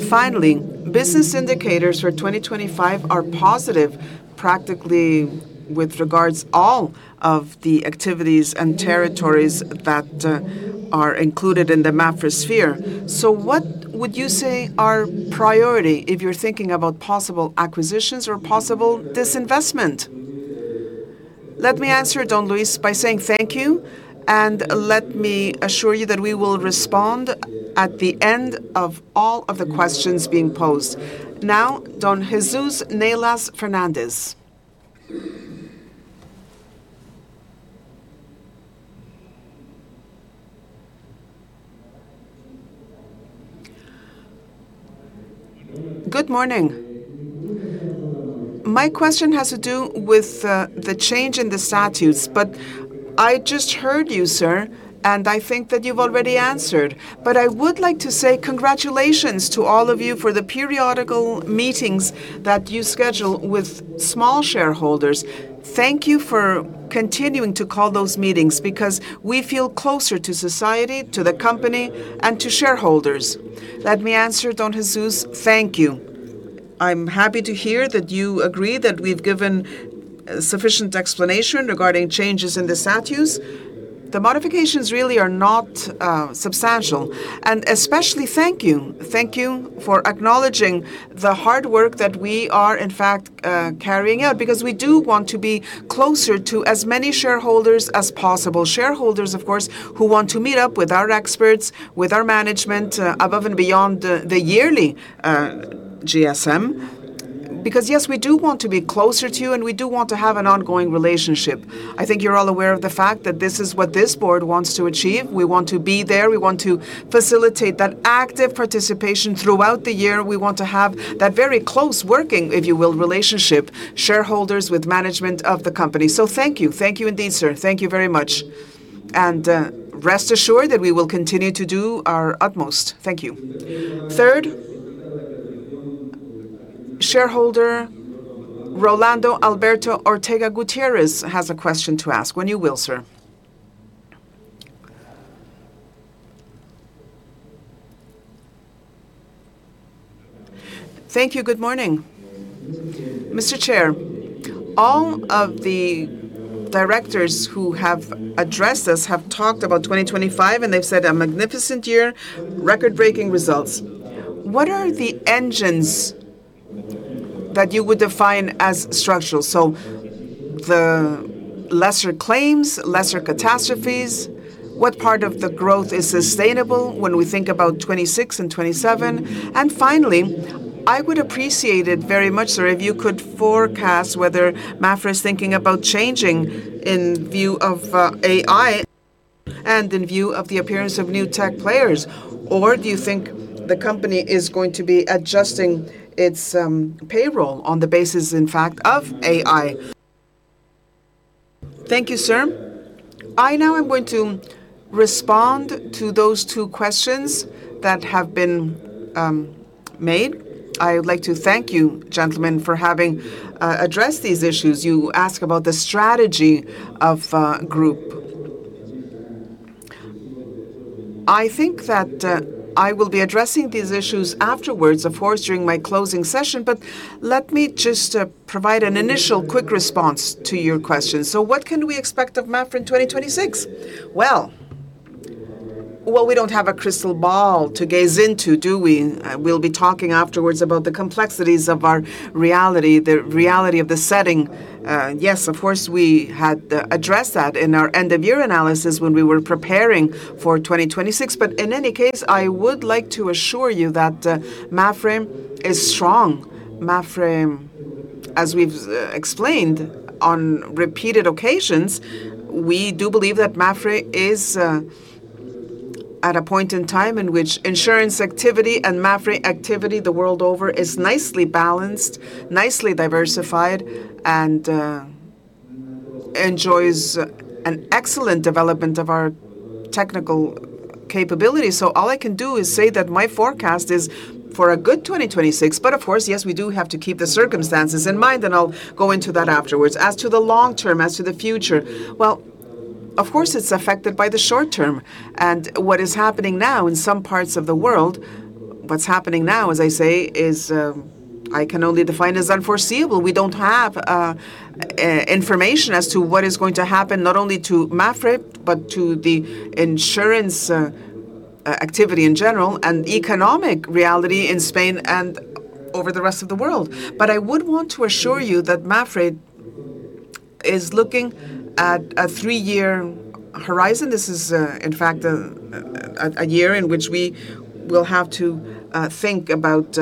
Finally, business indicators for 2025 are positive practically with regards all of the activities and territories that are included in the MAPFRE sphere. So what would you say are priority if you're thinking about possible acquisitions or possible disinvestment? Let me answer Don Luis by saying thank you, and let me assure you that we will respond at the end of all of the questions being posed. Now, Don Jesús Nielas Fernández. Good morning. My question has to do with the change in the statutes, but I just heard you, sir, and I think that you've already answered. I would like to say congratulations to all of you for the periodical meetings that you schedule with small shareholders. Thank you for continuing to call those meetings, because we feel closer to society, to the company, and to shareholders. Let me answer, Don Jesús. Thank you. I'm happy to hear that you agree that we've given sufficient explanation regarding changes in the statutes. The modifications really are not substantial. Especially thank you. Thank you for acknowledging the hard work that we are, in fact, carrying out, because we do want to be closer to as many shareholders as possible. Shareholders, of course, who want to meet up with our experts, with our management, above and beyond the yearly GSM. Because, yes, we do want to be closer to you, and we do want to have an ongoing relationship. I think you're all aware of the fact that this is what this board wants to achieve. We want to be there. We want to facilitate that active participation throughout the year. We want to have that very close working, if you will, relationship, shareholders with management of the company. Thank you. Thank you indeed, sir. Thank you very much. Rest assured that we will continue to do our utmost. Thank you. Third, shareholder Rolando Alberto Ortega Gutierrez has a question to ask. When you will, sir. Thank you. Good morning. Mr. Chair, all of the directors who have addressed us have talked about 2025, and they've said a magnificent year, record-breaking results. What are the engines that you would define as structural? So the lesser claims, lesser catastrophes, what part of the growth is sustainable when we think about 2026 and 2027? Finally, I would appreciate it very much, sir, if you could forecast whether MAPFRE is thinking about changing in view of AI and in view of the appearance of new tech players. Or do you think the company is going to be adjusting its payroll on the basis, in fact, of AI? Thank you, sir. I now am going to respond to those two questions that have been made. I would like to thank you, gentlemen, for having addressed these issues. You ask about the strategy of group. I think that I will be addressing these issues afterwards, of course, during my closing session. Let me just provide an initial quick response to your question. What can we expect of MAPFRE in 2026? Well, we don't have a crystal ball to gaze into, do we? We'll be talking afterwards about the complexities of our reality, the reality of the setting. Yes, of course, we had addressed that in our end-of-year analysis when we were preparing for 2026. In any case, I would like to assure you that MAPFRE is strong. MAPFRE. As we've explained on repeated occasions, we do believe that MAPFRE is at a point in time in which insurance activity and MAPFRE activity the world over is nicely balanced, nicely diversified, and enjoys an excellent development of our technical capabilities. All I can do is say that my forecast is for a good 2026. Of course, yes, we do have to keep the circumstances in mind, and I'll go into that afterwards. As to the long term, as to the future, well, of course, it's affected by the short term and what is happening now in some parts of the world. What's happening now, as I say, is, I can only define as unforeseeable. We don't have, information as to what is going to happen, not only to Mapfre, but to the insurance, activity in general and economic reality in Spain and over the rest of the world. I would want to assure you that Mapfre is looking at a three-year horizon. This is in fact a year in which we will have to think about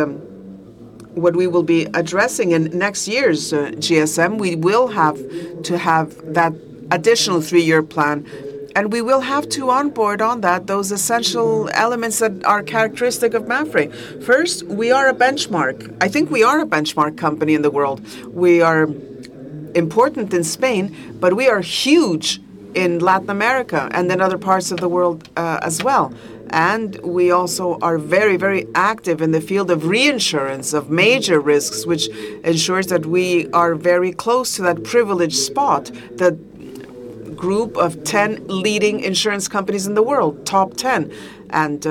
what we will be addressing in next year's GSM. We will have to have that additional three-year plan, and we will have to onboard on that those essential elements that are characteristic of Mapfre. First, we are a benchmark. I think we are a benchmark company in the world. We are important in Spain, but we are huge in Latin America and in other parts of the world, as well. We also are very, very active in the field of reinsurance of major risks, which ensures that we are very close to that privileged spot, the group of 10 leading insurance companies in the world, top 10, and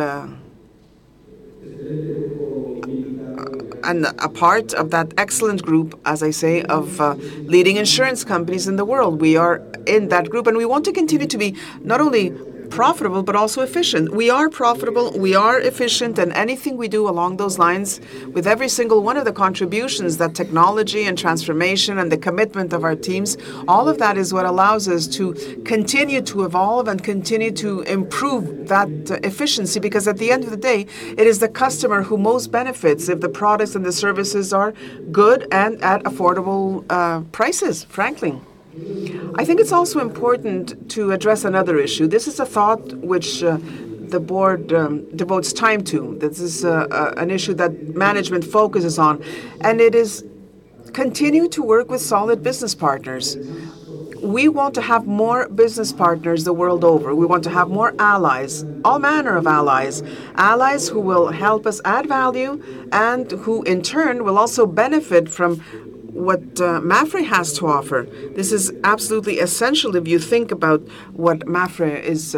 a part of that excellent group, as I say, of leading insurance companies in the world. We are in that group, and we want to continue to be not only profitable, but also efficient. We are profitable, we are efficient, and anything we do along those lines with every single one of the contributions that technology and transformation and the commitment of our teams, all of that is what allows us to continue to evolve and continue to improve that efficiency. Because at the end of the day, it is the customer who most benefits if the products and the services are good and at affordable prices, frankly. I think it's also important to address another issue. This is a thought which the board devotes time to. This is an issue that management focuses on, and it is continue to work with solid business partners. We want to have more business partners the world over. We want to have more allies, all manner of allies. Allies who will help us add value and who in turn will also benefit from what Mapfre has to offer. This is absolutely essential if you think about what Mapfre is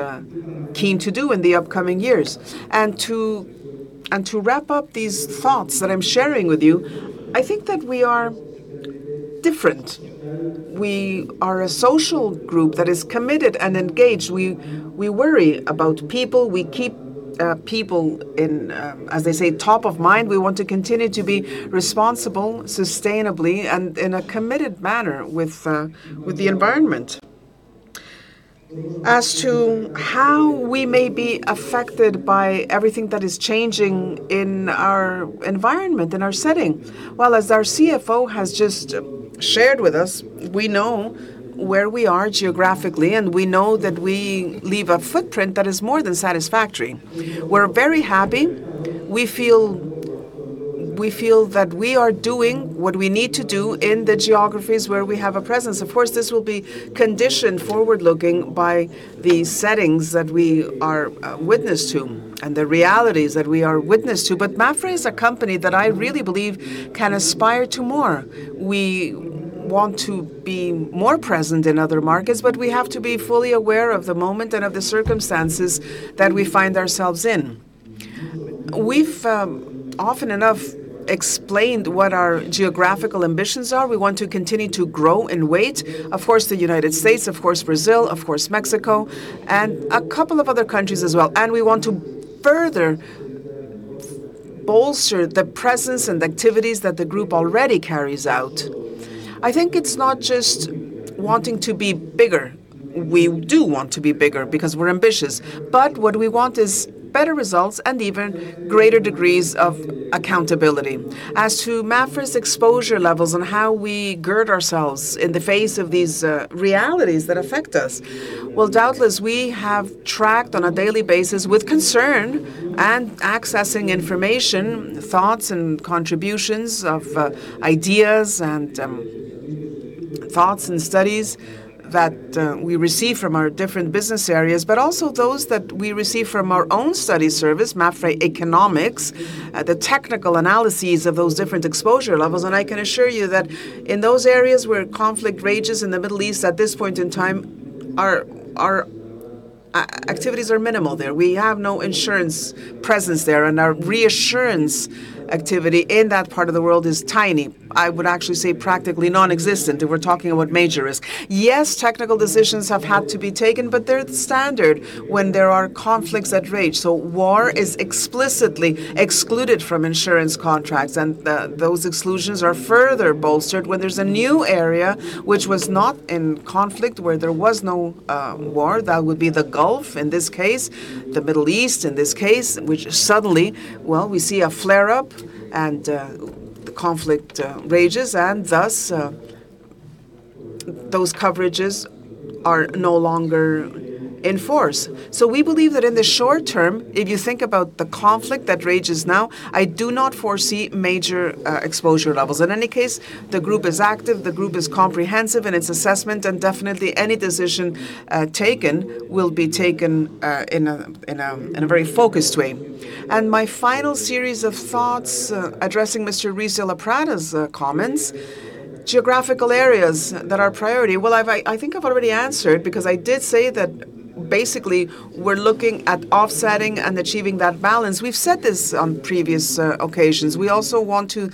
keen to do in the upcoming years. To wrap up these thoughts that I'm sharing with you, I think that we are different. We are a social group that is committed and engaged. We worry about people. We keep people in, as I say, top of mind. We want to continue to be responsible sustainably and in a committed manner with the environment. As to how we may be affected by everything that is changing in our environment, in our setting, well, as our CFO has just shared with us, we know where we are geographically, and we know that we leave a footprint that is more than satisfactory. We're very happy. We feel that we are doing what we need to do in the geographies where we have a presence. Of course, this will be conditioned forward-looking by the settings that we are witness to and the realities that we are witness to. Mapfre is a company that I really believe can aspire to more. We want to be more present in other markets, but we have to be fully aware of the moment and of the circumstances that we find ourselves in. We've often enough explained what our geographical ambitions are. We want to continue to grow in weight. Of course, the United States, of course, Brazil, of course, Mexico, and a couple of other countries as well. We want to further bolster the presence and activities that the group already carries out. I think it's not just wanting to be bigger. We do want to be bigger because we're ambitious, but what we want is better results and even greater degrees of accountability. As to Mapfre's exposure levels and how we gird ourselves in the face of these realities that affect us, well, doubtless, we have tracked on a daily basis with concern and accessing information, thoughts and contributions of ideas and studies that we receive from our different business areas, but also those that we receive from our own study service, Mapfre Economics, the technical analyses of those different exposure levels. I can assure you that in those areas where conflict rages in the Middle East at this point in time, our activities are minimal there. We have no insurance presence there, and our reinsurance activity in that part of the world is tiny. I would actually say practically nonexistent, and we're talking about major risk. Yes, technical decisions have had to be taken, but they're the standard when there are conflicts that rage. War is explicitly excluded from insurance contracts, and those exclusions are further bolstered when there's a new area which was not in conflict, where there was no war. That would be the Gulf in this case, the Middle East in this case, which suddenly we see a flare-up and the conflict rages and thus those coverages are no longer in force. We believe that in the short term, if you think about the conflict that rages now, I do not foresee major exposure levels. In any case, the group is active, the group is comprehensive in its assessment, and definitely any decision taken will be taken in a very focused way. My final series of thoughts addressing Mr. Ruiz de Loprata's comments, geographical areas that are priority. Well, I think I've already answered because I did say that basically we're looking at offsetting and achieving that balance. We've said this on previous occasions. We also want to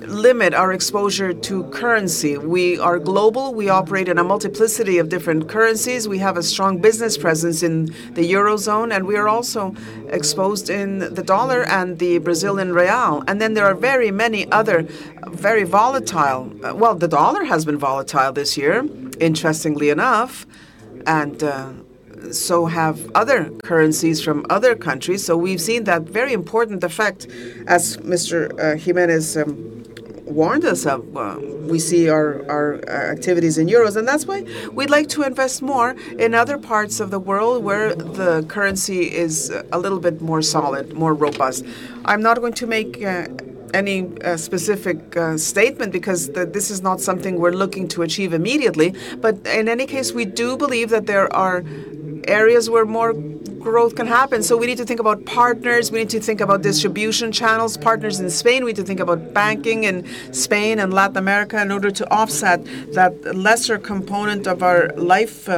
limit our exposure to currency. We are global. We operate in a multiplicity of different currencies. We have a strong business presence in the Eurozone, and we are also exposed in the US dollar and the Brazilian real. Well, the dollar has been volatile this year, interestingly enough, and so have other currencies from other countries. We've seen that very important effect as Mr. Jiménez warned us of. We see our activities in euros, and that's why we'd like to invest more in other parts of the world where the currency is a little bit more solid, more robust. I'm not going to make any specific statement because this is not something we're looking to achieve immediately. In any case, we do believe that there are areas where more growth can happen, so we need to think about partners. We need to think about distribution channels, partners in Spain. We need to think about banking in Spain and Latin America in order to offset that lesser component of our life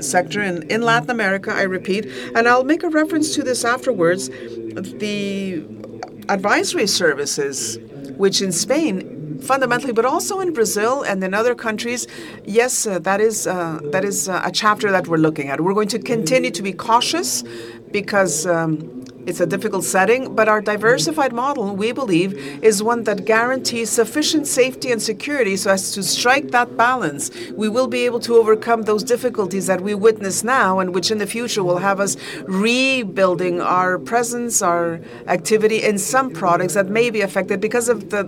sector in Latin America, I repeat. I'll make a reference to this afterwards. The advisory services, which in Spain fundamentally, but also in Brazil and in other countries, a chapter that we're looking at. We're going to continue to be cautious because it's a difficult setting. Our diversified model, we believe, is one that guarantees sufficient safety and security. As to strike that balance, we will be able to overcome those difficulties that we witness now, and which in the future will have us rebuilding our presence, our activity in some products that may be affected because of the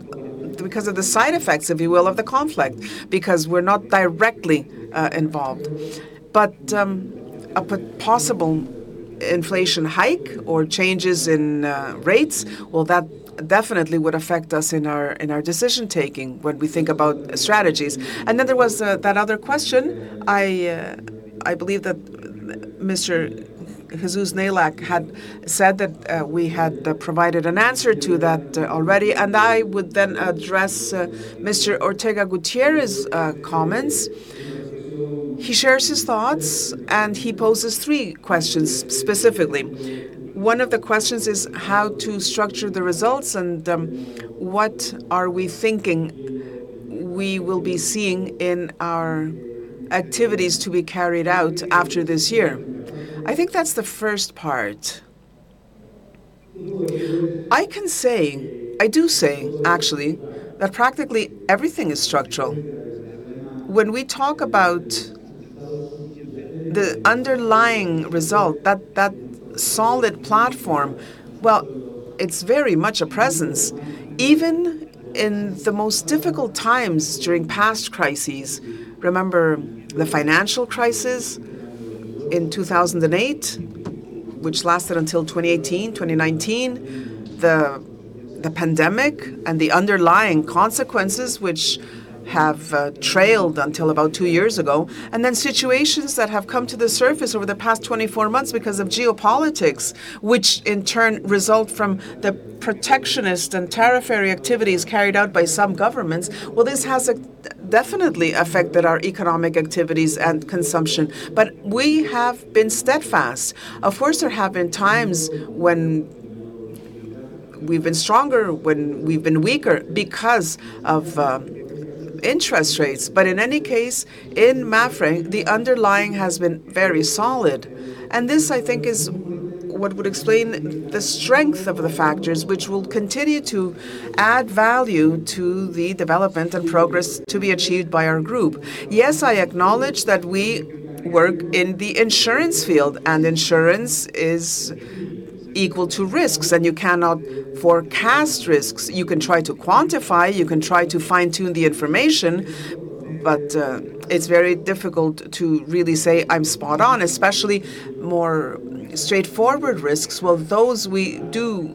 side effects, if you will, of the conflict, because we're not directly involved. A possible inflation hike or changes in rates, well, that definitely would affect us in our decision-taking when we think about strategies. There was that other question. I believe that Mr. Jesús Nielas had said that we had provided an answer to that already. I would then address Mr. Ortega Gutierrez's comments. He shares his thoughts, and he poses three questions specifically. One of the questions is how to structure the results and, what are we thinking we will be seeing in our activities to be carried out after this year. I think that's the first part. I can say, I do say actually, that practically everything is structural. When we talk about the underlying result, that solid platform, well, it's very much a presence. Even in the most difficult times during past crises, remember the financial crisis in 2008, which lasted until 2018, 2019, the pandemic and the underlying consequences which have trailed until about two years ago, and then situations that have come to the surface over the past 24 months because of geopolitics, which in turn result from the protectionist and tariff activities carried out by some governments. Well, this has definitely affected our economic activities and consumption, but we have been steadfast. Of course, there have been times when we've been stronger, when we've been weaker because of interest rates. In any case, in Mapfre, the underlying has been very solid, and this I think is what would explain the strength of the factors which will continue to add value to the development and progress to be achieved by our group. Yes, I acknowledge that we work in the insurance field, and insurance is equal to risks, and you cannot forecast risks. You can try to quantify, you can try to fine-tune the information, but it's very difficult to really say, "I'm spot on," especially more straightforward risks. Well, those we do,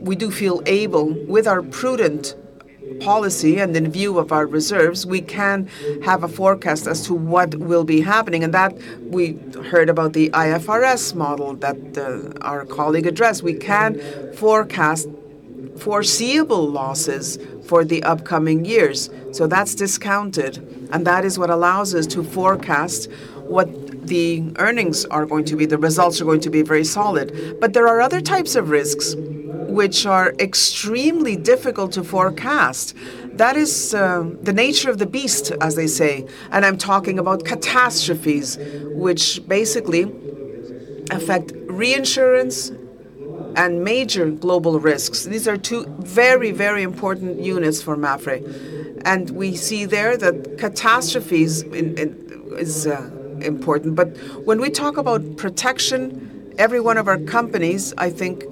we do feel able, with our prudent policy and in view of our reserves, we can have a forecast as to what will be happening, and that we heard about the IFRS model that, our colleague addressed. We can forecast foreseeable losses for the upcoming years, so that's discounted, and that is what allows us to forecast what the earnings are going to be. The results are going to be very solid. There are other types of risks which are extremely difficult to forecast. That is, the nature of the beast, as they say, and I'm talking about catastrophes, which basically affect reinsurance and major global risks. These are two very, very important units for Mapfre, and we see there that catastrophes in is important. When we talk about protection, every one of our companies, I think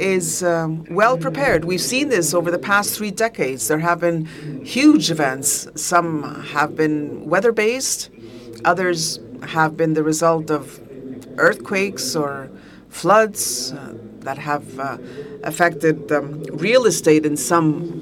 is well prepared. We've seen this over the past three decades. There have been huge events. Some have been weather-based, others have been the result of earthquakes or floods that have affected the real estate in some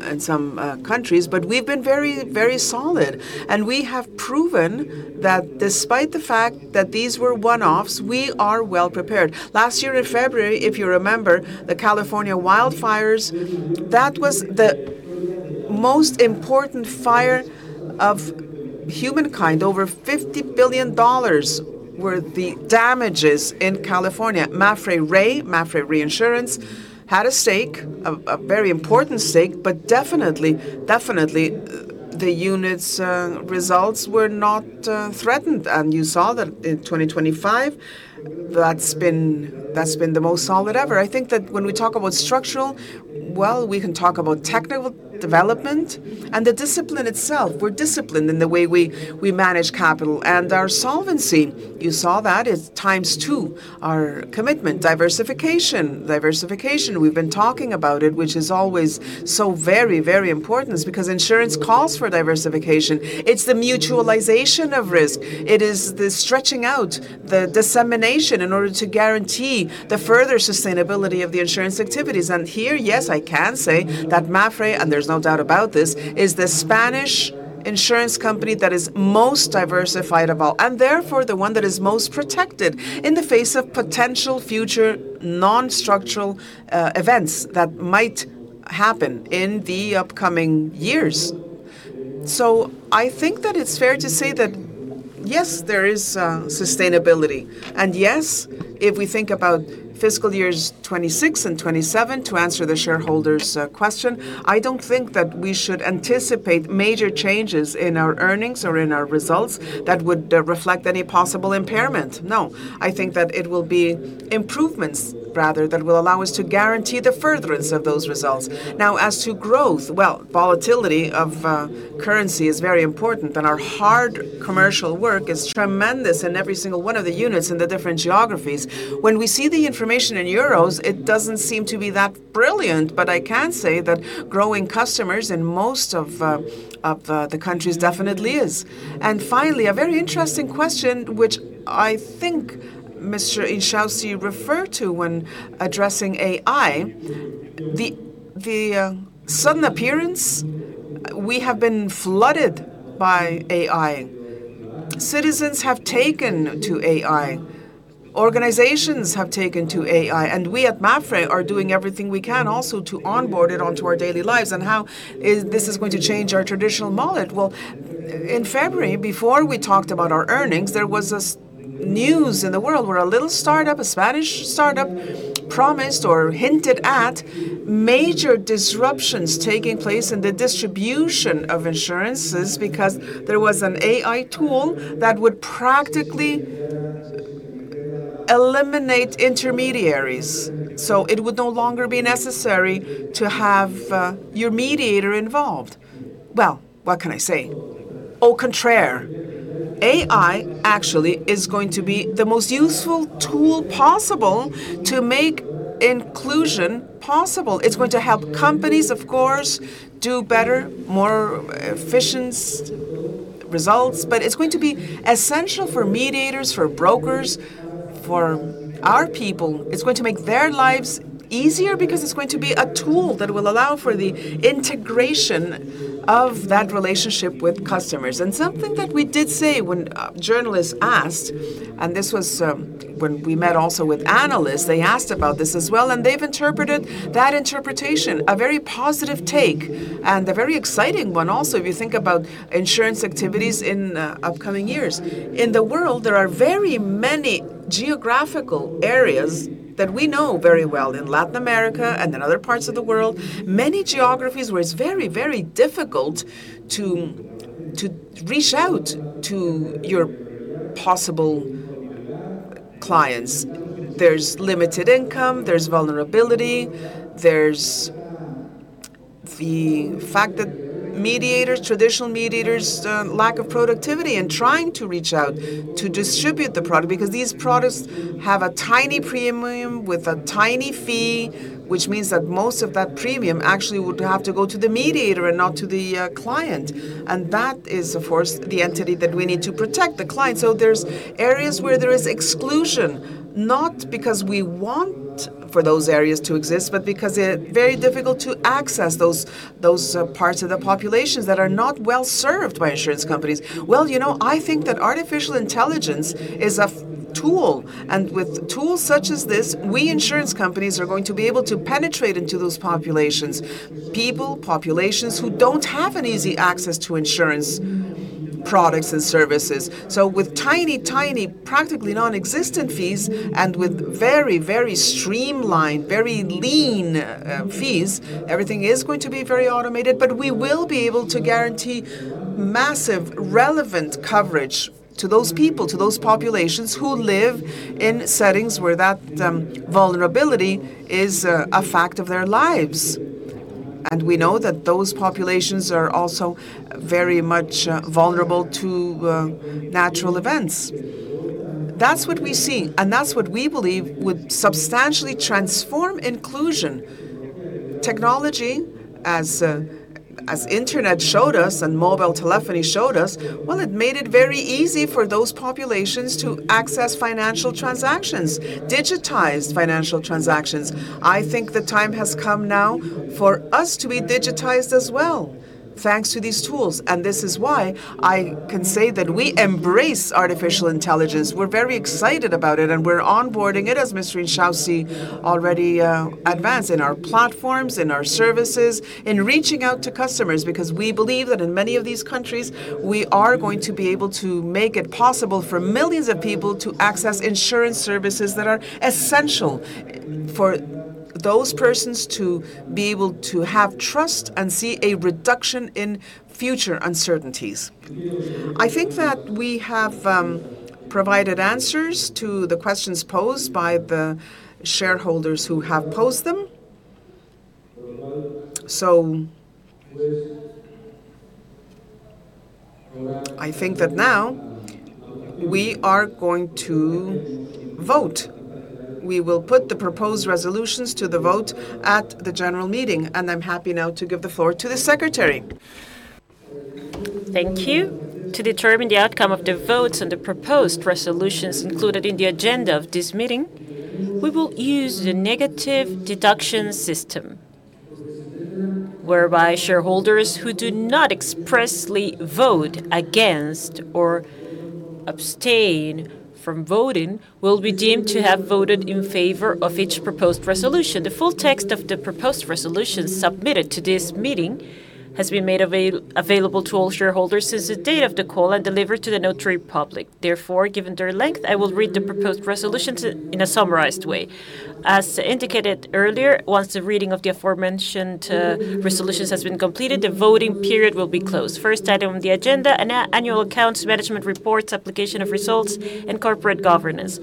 countries. We've been very solid, and we have proven that despite the fact that these were one-offs, we are well prepared. Last year in February, if you remember, the California wildfires, that was the most important fire of humankind. Over $50 billion were the damages in California. MAPFRE RE, MAPFRE Reinsurance had a stake, a very important stake, but definitely the unit's results were not threatened. You saw that in 2025, that's been the most solid ever. I think that when we talk about structural, well, we can talk about technical development and the discipline itself. We're disciplined in the way we manage capital. Our solvency, you saw that, is times two. Our commitment, diversification. Diversification, we've been talking about it, which is always so very, very important. It's because insurance calls for diversification. It's the mutualization of risk. It is the stretching out, the dissemination in order to guarantee the further sustainability of the insurance activities. Here, yes, I can say that Mapfre, and there's no doubt about this, is the Spanish insurance company that is most diversified of all, and therefore the one that is most protected in the face of potential future non-structural events that might happen in the upcoming years. I think that it's fair to say that, yes, there is sustainability, and yes, if we think about fiscal years 2026 and 2027, to answer the shareholder's question, I don't think that we should anticipate major changes in our earnings or in our results that would reflect any possible impairment. No. I think that it will be improvements rather that will allow us to guarantee the furtherance of those results. Now as to growth, well, volatility of currency is very important, and our hard commercial work is tremendous in every single one of the units in the different geographies. When we see the information in euros, it doesn't seem to be that brilliant, but I can say that growing customers in most of the countries definitely is. Finally, a very interesting question which I think Mr. Inchausti referred to when addressing AI. The sudden appearance, we have been flooded by AI. Citizens have taken to AI. Organizations have taken to AI. We at Mapfre are doing everything we can also to onboard it onto our daily lives and how it is going to change our traditional model. Well, in February, before we talked about our earnings, there was this news in the world where a little startup, a Spanish startup, promised or hinted at major disruptions taking place in the distribution of insurances because there was an AI tool that would practically eliminate intermediaries, so it would no longer be necessary to have your mediator involved. Well, what can I say? Au contraire, AI actually is going to be the most useful tool possible to make inclusion possible. It's going to help companies, of course, do better, more efficient results, but it's going to be essential for mediators, for brokers, for our people. It's going to make their lives easier because it's going to be a tool that will allow for the integration of that relationship with customers. Something that we did say when journalists asked, and this was when we met also with analysts, they asked about this as well, and they've interpreted that as a very positive take, and a very exciting one also if you think about insurance activities in upcoming years. In the world, there are very many geographical areas that we know very well, in Latin America and in other parts of the world, many geographies where it's very difficult to reach out to your possible clients. There's limited income, there's vulnerability, there's the fact that mediators, traditional mediators, lack of productivity in trying to reach out to distribute the product because these products have a tiny premium with a tiny fee, which means that most of that premium actually would have to go to the mediator and not to the client. That is, of course, the entity that we need to protect, the client. There's areas where there is exclusion, not because we want for those areas to exist, but because it's very difficult to access those parts of the populations that are not well-served by insurance companies. Well, you know, I think that artificial intelligence is a fine tool, and with tools such as this, we insurance companies are going to be able to penetrate into those populations, people, populations who don't have an easy access to insurance products and services. With tiny, practically non-existent fees and with very streamlined, very lean fees, everything is going to be very automated. We will be able to guarantee massive relevant coverage to those people, to those populations who live in settings where that vulnerability is a fact of their lives. We know that those populations are also very much vulnerable to natural events. That's what we see, and that's what we believe would substantially transform inclusion. Technology, as internet showed us and mobile telephony showed us, well, it made it very easy for those populations to access financial transactions, digitized financial transactions. I think the time has come now for us to be digitized as well, thanks to these tools, and this is why I can say that we embrace artificial intelligence. We're very excited about it, and we're onboarding it, as Mr. Inchausti already advanced, in our platforms, in our services, in reaching out to customers, because we believe that in many of these countries, we are going to be able to make it possible for millions of people to access insurance services that are essential for those persons to be able to have trust and see a reduction in future uncertainties. I think that we have provided answers to the questions posed by the shareholders who have posed them. I think that now we are going to vote. We will put the proposed resolutions to the vote at the general meeting, and I'm happy now to give the floor to the secretary. Thank you. To determine the outcome of the votes on the proposed resolutions included in the agenda of this meeting, we will use the negative deduction system, whereby shareholders who do not expressly vote against or abstain from voting will be deemed to have voted in favor of each proposed resolution. The full text of the proposed resolutions submitted to this meeting has been made available to all shareholders since the date of the call and delivered to the notary public. Therefore, given their length, I will read the proposed resolutions in a summarized way. As indicated earlier, once the reading of the aforementioned resolutions has been completed, the voting period will be closed. First item on the agenda, annual accounts, management reports, application of results, and corporate governance.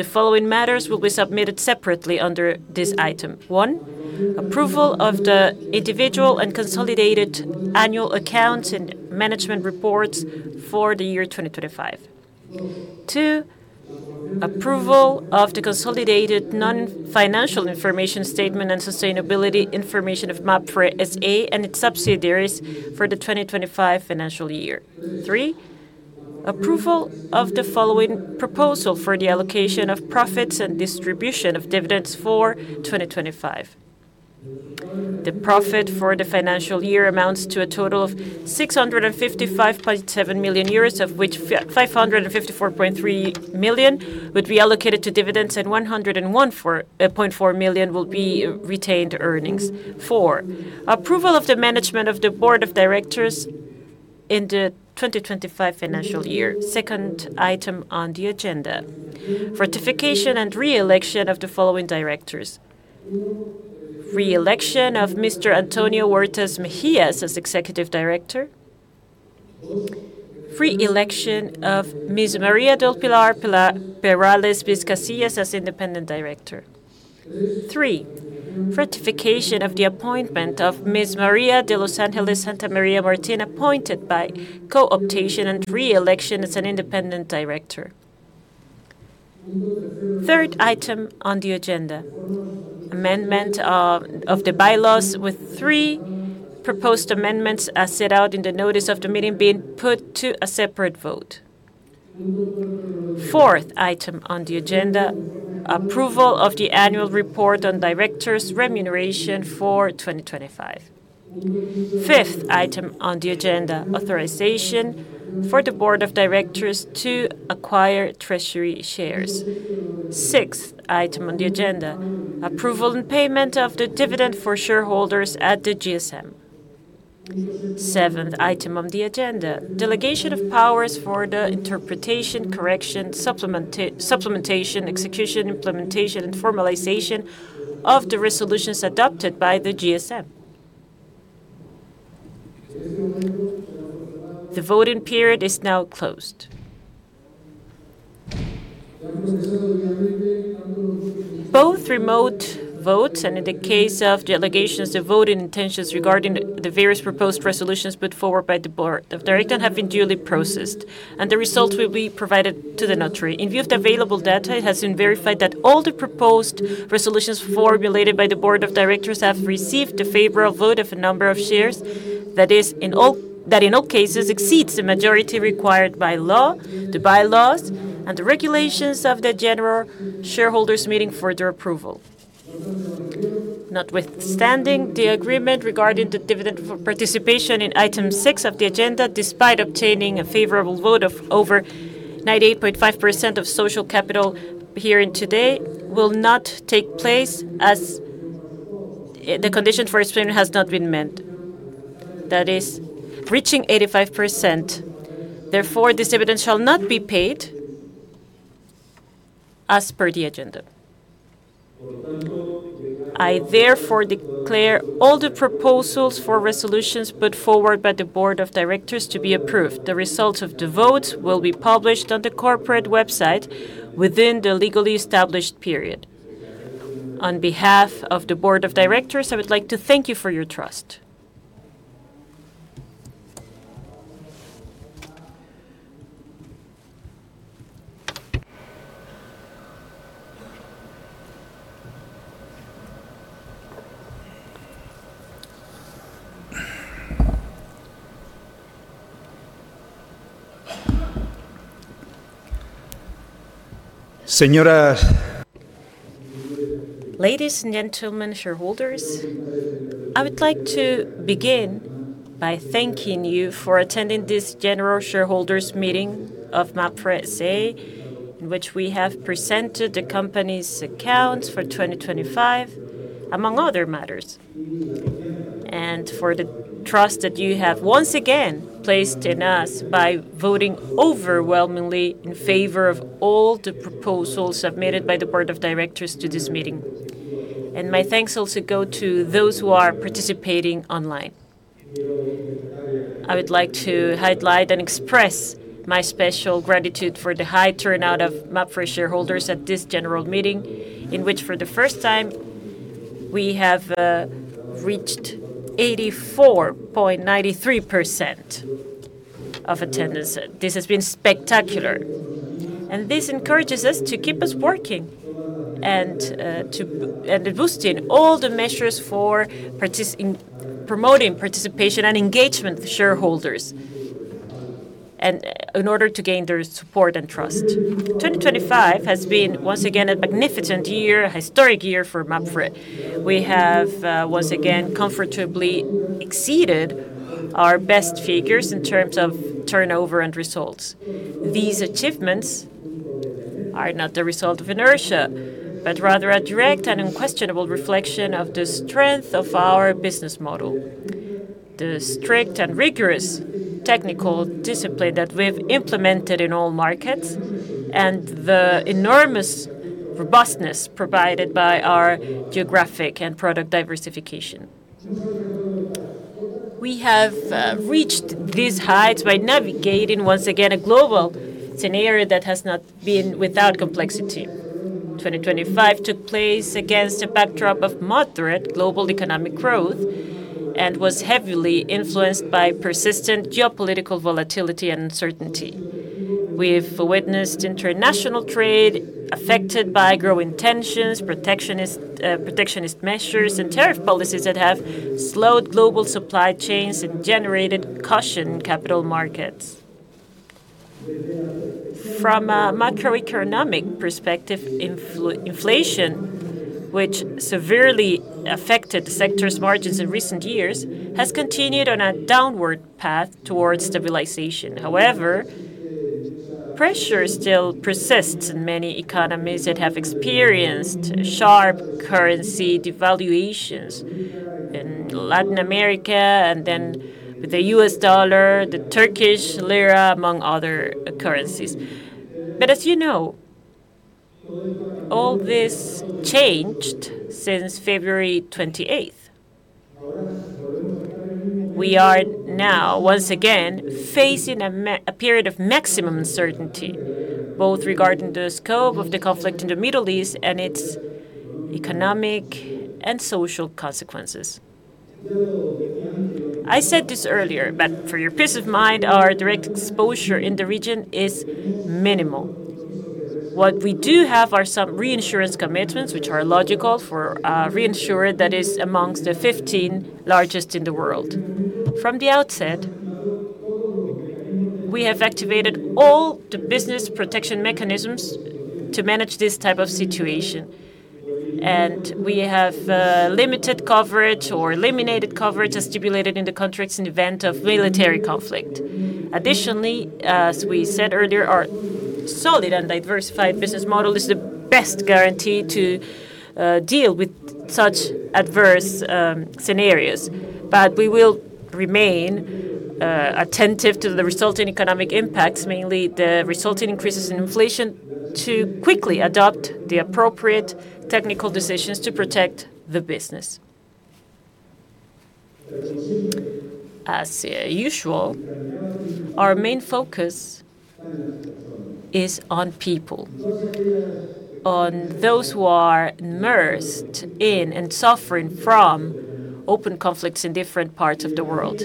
The following matters will be submitted separately under this item. 1, approval of the individual and consolidated annual accounts and management reports for the year 2025. 2, approval of the consolidated non-financial information statement and sustainability information of MAPFRE, S.A. and its subsidiaries for the 2025 financial year. 3, approval of the following proposal for the allocation of profits and distribution of dividends for 2025. The profit for the financial year amounts to a total of 655.7 million euros, of which 554.3 million would be allocated to dividends and 101.4 million will be retained earnings. 4, approval of the management of the board of directors in the 2025 financial year. Second item on the agenda, ratification and re-election of the following directors. Re-election of Mr. Antonio Huertas Mejías as Executive Director. Re-election of Ms. María del Pilar Perales Viscasillas as Independent Director. Three, ratification of the appointment of Ms. María de los Ángeles Santamaría Martín, appointed by co-optation and re-election as an Independent Director. Third item on the agenda, amendment of the bylaws, with three proposed amendments as set out in the notice of the meeting being put to a separate vote. Fourth item on the agenda, approval of the annual report on directors' remuneration for 2025. Fifth item on the agenda, authorization for the Board of Directors to acquire treasury shares. Sixth item on the agenda, approval and payment of the dividend for shareholders at the GSM. Seventh item on the agenda, delegation of powers for the interpretation, correction, supplementation, execution, implementation, and formalization of the resolutions adopted by the GSM. The voting period is now closed. Both remote votes and, in the case of delegations, the voting intentions regarding the various proposed resolutions put forward by the board of directors have been duly processed, and the results will be provided to the notary. In view of the available data, it has been verified that all the proposed resolutions formulated by the board of directors have received the favorable vote of a number of shares that in all cases exceeds the majority required by law, the bylaws, and the regulations of the general shareholders meeting for their approval. Notwithstanding the agreement regarding the dividend for participation in item six of the agenda, despite obtaining a favorable vote of over 98.5% of social capital here today, will not take place as the condition for its payment has not been met. That is, reaching 85%. Therefore, this dividend shall not be paid as per the agenda. I therefore declare all the proposals for resolutions put forward by the board of directors to be approved. The results of the votes will be published on the corporate website within the legally established period. On behalf of the board of directors, I would like to thank you for your trust. Señoras- Ladies and gentlemen, shareholders, I would like to begin by thanking you for attending this general shareholders meeting of MAPFRE S.A., in which we have presented the company's accounts for 2025, among other matters, and for the trust that you have once again placed in us by voting overwhelmingly in favor of all the proposals submitted by the board of directors to this meeting. My thanks also go to those who are participating online. I would like to highlight and express my special gratitude for the high turnout of MAPFRE shareholders at this general meeting, in which for the first time, we have reached 84.93% of attendance. This has been spectacular, and this encourages us to keep us working and boosting all the measures for promoting participation and engagement with shareholders and in order to gain their support and trust. 2025 has been once again a magnificent year, a historic year for MAPFRE. We have once again comfortably exceeded our best figures in terms of turnover and results. These achievements are not the result of inertia, but rather a direct and unquestionable reflection of the strength of our business model, the strict and rigorous technical discipline that we've implemented in all markets, and the enormous robustness provided by our geographic and product diversification. We have reached these heights by navigating once again a global scenario that has not been without complexity. 2025 took place against a backdrop of moderate global economic growth and was heavily influenced by persistent geopolitical volatility and uncertainty. We've witnessed international trade affected by growing tensions, protectionist measures, and tariff policies that have slowed global supply chains and generated caution in capital markets. From a macroeconomic perspective, inflation, which severely affected the sector's margins in recent years, has continued on a downward path towards stabilization. However, pressure still persists in many economies that have experienced sharp currency devaluations in Latin America and then the US dollar, the Turkish lira, among other currencies. As you know, all this changed since February 28. We are now once again facing a period of maximum uncertainty, both regarding the scope of the conflict in the Middle East and its economic and social consequences. I said this earlier, but for your peace of mind, our direct exposure in the region is minimal. What we do have are some reinsurance commitments, which are logical for a reinsurer that is among the 15 largest in the world. From the outset, we have activated all the business protection mechanisms to manage this type of situation, and we have limited coverage or eliminated coverage as stipulated in the contracts in the event of military conflict. Additionally, as we said earlier, our solid and diversified business model is the best guarantee to deal with such adverse scenarios. We will remain attentive to the resulting economic impacts, mainly the resulting increases in inflation to quickly adopt the appropriate technical decisions to protect the business. As usual, our main focus is on people, on those who are immersed in and suffering from open conflicts in different parts of the world.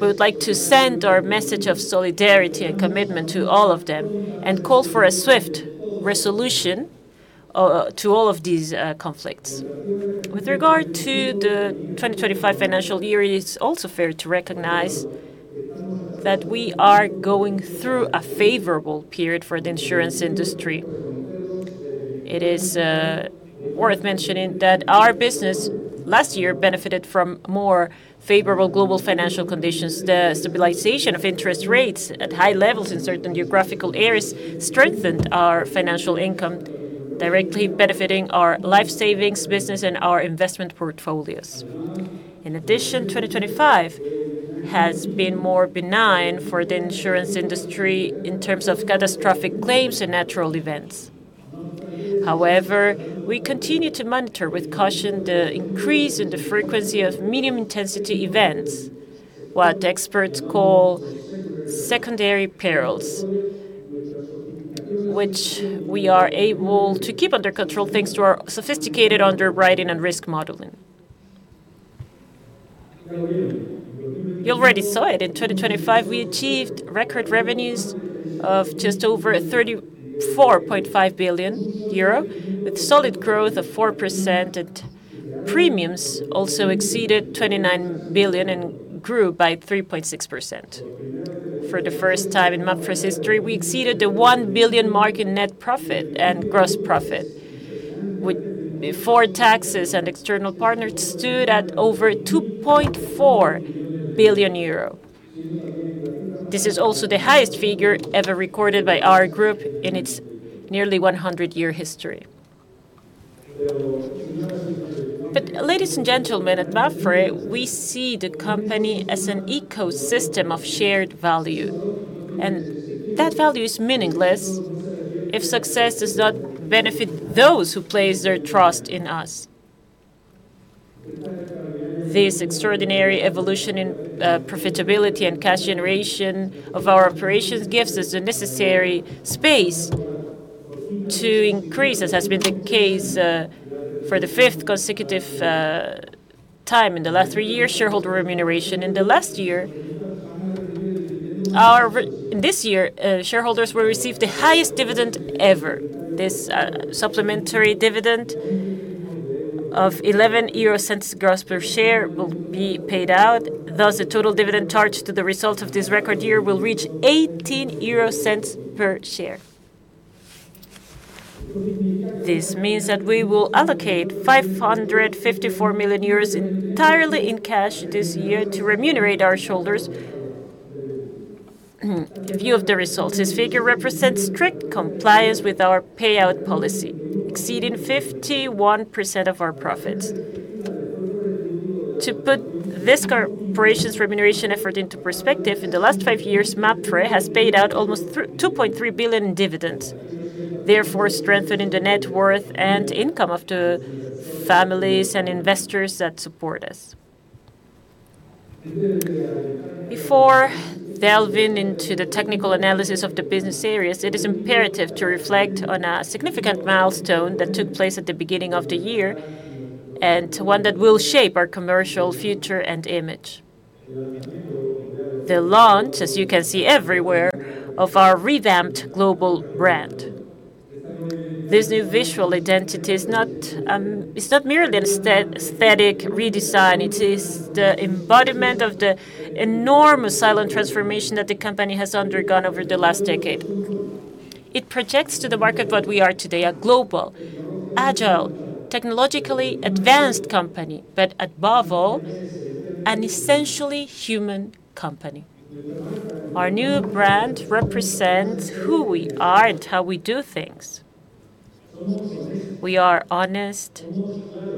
We would like to send our message of solidarity and commitment to all of them and call for a swift resolution to all of these conflicts. With regard to the 2025 financial year, it's also fair to recognize that we are going through a favorable period for the insurance industry. It is worth mentioning that our business last year benefited from more favorable global financial conditions. The stabilization of interest rates at high levels in certain geographical areas strengthened our financial income, directly benefiting our life savings business and our investment portfolios. In addition, 2025 has been more benign for the insurance industry in terms of catastrophic claims and natural events. However, we continue to monitor with caution the increase in the frequency of medium-intensity events, what experts call secondary perils, which we are able to keep under control thanks to our sophisticated underwriting and risk modeling. You already saw it. In 2025, we achieved record revenues of just over 34.5 billion euro, with solid growth of 4%, and premiums also exceeded 29 billion and grew by 3.6%. For the first time in Mapfre's history, we exceeded the 1 billion mark in net profit, and gross profit, with before taxes and external partners, stood at over 2.4 billion euro. This is also the highest figure ever recorded by our group in its nearly 100-year history. Ladies and gentlemen, at Mapfre, we see the company as an ecosystem of shared value, and that value is meaningless if success does not benefit those who place their trust in us. This extraordinary evolution in profitability and cash generation of our operations gives us the necessary space to increase, as has been the case, for the fifth consecutive time in the last three years, shareholder remuneration. This year, shareholders will receive the highest dividend ever. This supplementary dividend of 0.11 gross per share will be paid out. Thus, the total dividend charged to the result of this record year will reach 0.18 per share. This means that we will allocate 554 million euros entirely in cash this year to remunerate our shareholders. In view of the results, this figure represents strict compliance with our payout policy, exceeding 51% of our profits. To put this corporation's remuneration effort into perspective, in the last five years, Mapfre has paid out almost 2.3 billion in dividends, therefore strengthening the net worth and income of the families and investors that support us. Before delving into the technical analysis of the business areas, it is imperative to reflect on a significant milestone that took place at the beginning of the year, and one that will shape our commercial future and image. The launch, as you can see everywhere, of our revamped global brand. This new visual identity is not, it's not merely an aesthetic redesign, it is the embodiment of the enormous silent transformation that the company has undergone over the last decade. It projects to the market what we are today, a global, agile, technologically advanced company, but above all, an essentially human company. Our new brand represents who we are and how we do things. We are honest,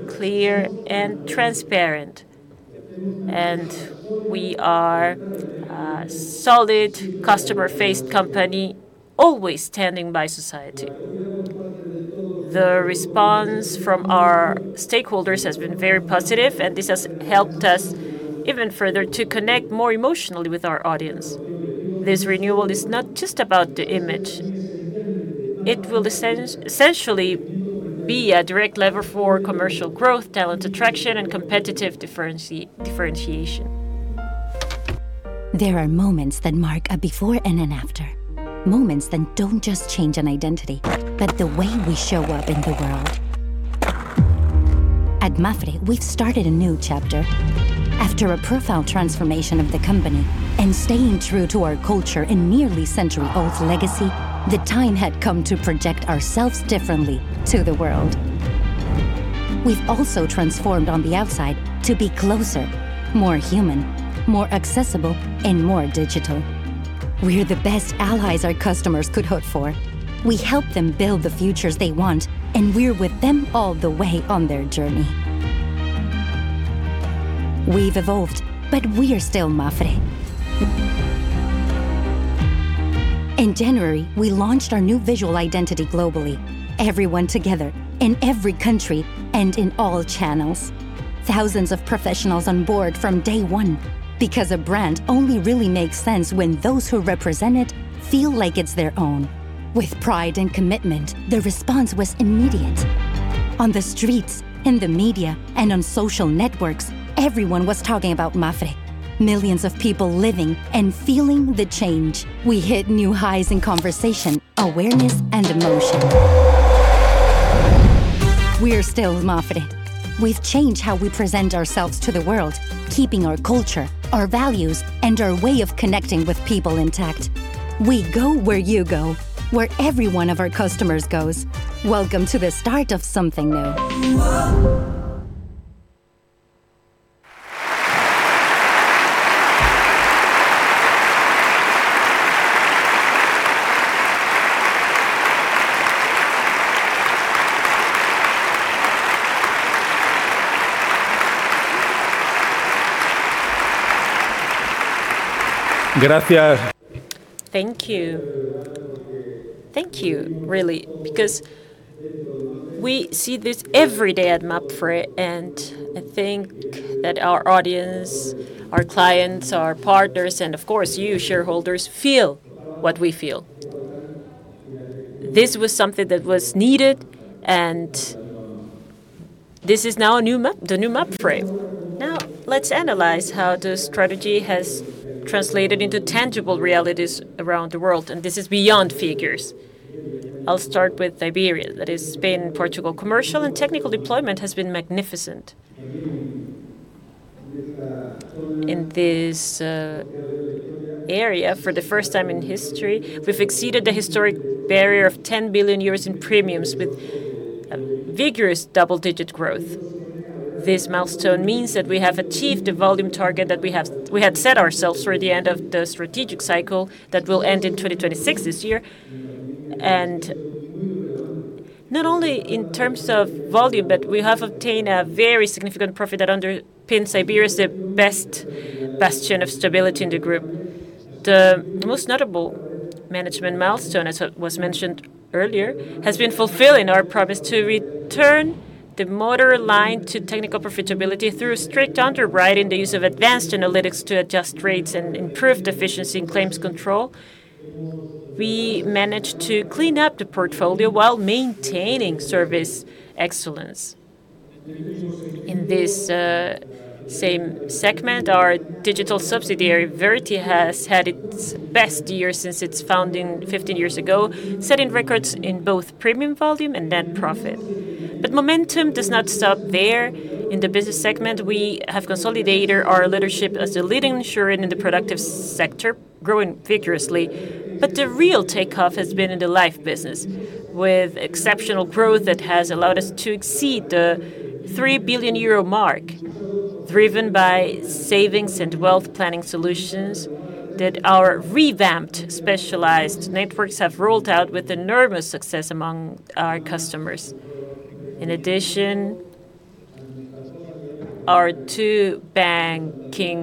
clear, and transparent, and we are a solid customer-faced company, always standing by society. The response from our stakeholders has been very positive, and this has helped us even further to connect more emotionally with our audience. This renewal is not just about the image. It will essentially be a direct lever for commercial growth, talent attraction, and competitive differentiation. There are moments that mark a before and an after, moments that don't just change an identity, but the way we show up in the world. At Mapfre, we've started a new chapter. After a profound transformation of the company and staying true to our culture and nearly century-old legacy, the time had come to project ourselves differently to the world. We've also transformed on the outside to be closer, more human, more accessible, and more digital. We're the best allies our customers could hope for. We help them build the futures they want, and we're with them all the way on their journey. We've evolved, but we are still Mapfre. In January, we launched our new visual identity globally, everyone together in every country and in all channels. Thousands of professionals on board from day one, because a brand only really makes sense when those who represent it feel like it's their own. With pride and commitment, the response was immediate. On the streets, in the media, and on social networks, everyone was talking about Mapfre. Millions of people living and feeling the change. We hit new highs in conversation, awareness, and emotion. We are still Mapfre. We've changed how we present ourselves to the world, keeping our culture, our values, and our way of connecting with people intact. We go where you go, where every one of our customers goes. Welcome to the start of something new. Gracias. Thank you. Thank you, really, because we see this every day at Mapfre, and I think that our audience, our clients, our partners, and of course you shareholders, feel what we feel. This was something that was needed, and this is now a new map, the new Mapfre. Now, let's analyze how the strategy has translated into tangible realities around the world, and this is beyond figures. I'll start with Iberia, that is Spain and Portugal. Commercial and technical deployment has been magnificent. In this area, for the first time in history, we've exceeded the historic barrier of 10 billion euros in premiums with a vigorous double-digit growth. This milestone means that we have achieved the volume target that we had set ourselves for the end of the strategic cycle that will end in 2026 this year. Not only in terms of volume, but we have obtained a very significant profit that underpins Iberia as the best bastion of stability in the group. The most notable management milestone, as was mentioned earlier, has been fulfilling our promise to return the motor line to technical profitability through strict underwriting, the use of advanced analytics to adjust rates, and improved efficiency in claims control. We managed to clean up the portfolio while maintaining service excellence. In this same segment, our digital subsidiary, Verti, has had its best year since its founding 15 years ago, setting records in both premium volume and net profit. Momentum does not stop there. In the business segment, we have consolidated our leadership as the leading insurer in the productive sector, growing vigorously. The real takeoff has been in the life business, with exceptional growth that has allowed us to exceed the 3 billion euro mark, driven by savings and wealth planning solutions that our revamped specialized networks have rolled out with enormous success among our customers. In addition, our two banking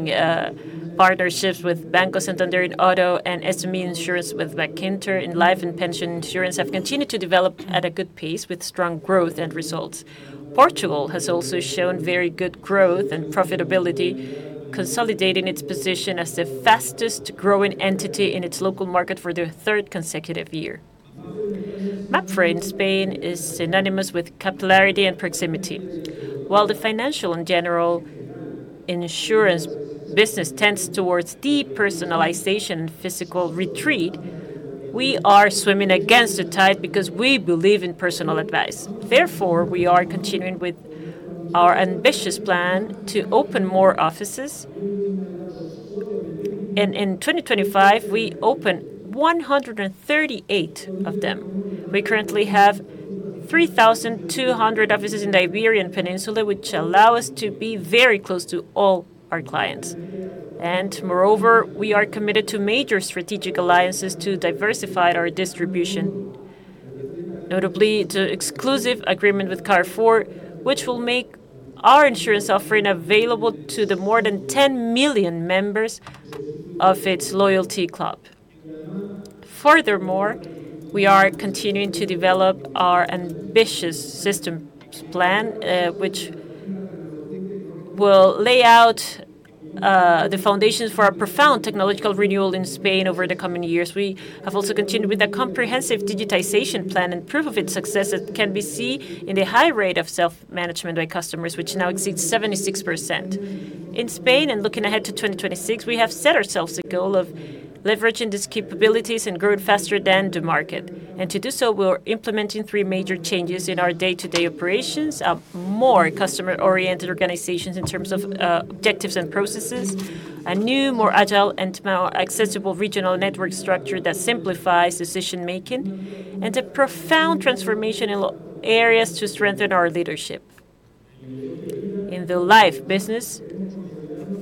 partnerships with Banco Santander in auto and SME insurance with Bankinter in life and pension insurance have continued to develop at a good pace with strong growth and results. Portugal has also shown very good growth and profitability, consolidating its position as the fastest-growing entity in its local market for the third consecutive year. Mapfre in Spain is synonymous with capillarity and proximity. While the financial and general insurance business tends towards depersonalization and physical retreat, we are swimming against the tide because we believe in personal advice. Therefore, we are continuing with our ambitious plan to open more offices. In 2025, we opened 138 of them. We currently have 3,200 offices in the Iberian Peninsula, which allow us to be very close to all our clients. Moreover, we are committed to major strategic alliances to diversify our distribution, notably the exclusive agreement with Carrefour, which will make our insurance offering available to the more than 10 million members of its loyalty club. Furthermore, we are continuing to develop our ambitious systems plan, which will lay out the foundations for a profound technological renewal in Spain over the coming years. We have also continued with a comprehensive digitization plan, and proof of its success it can be seen in the high rate of self-management by customers, which now exceeds 76%. In Spain and looking ahead to 2026, we have set ourselves a goal of leveraging these capabilities and growing faster than the market. To do so, we are implementing three major changes in our day-to-day operations, a more customer-oriented organization in terms of objectives and processes, a new, more agile and more accessible regional network structure that simplifies decision-making, and a profound transformation in local areas to strengthen our leadership. In the life business,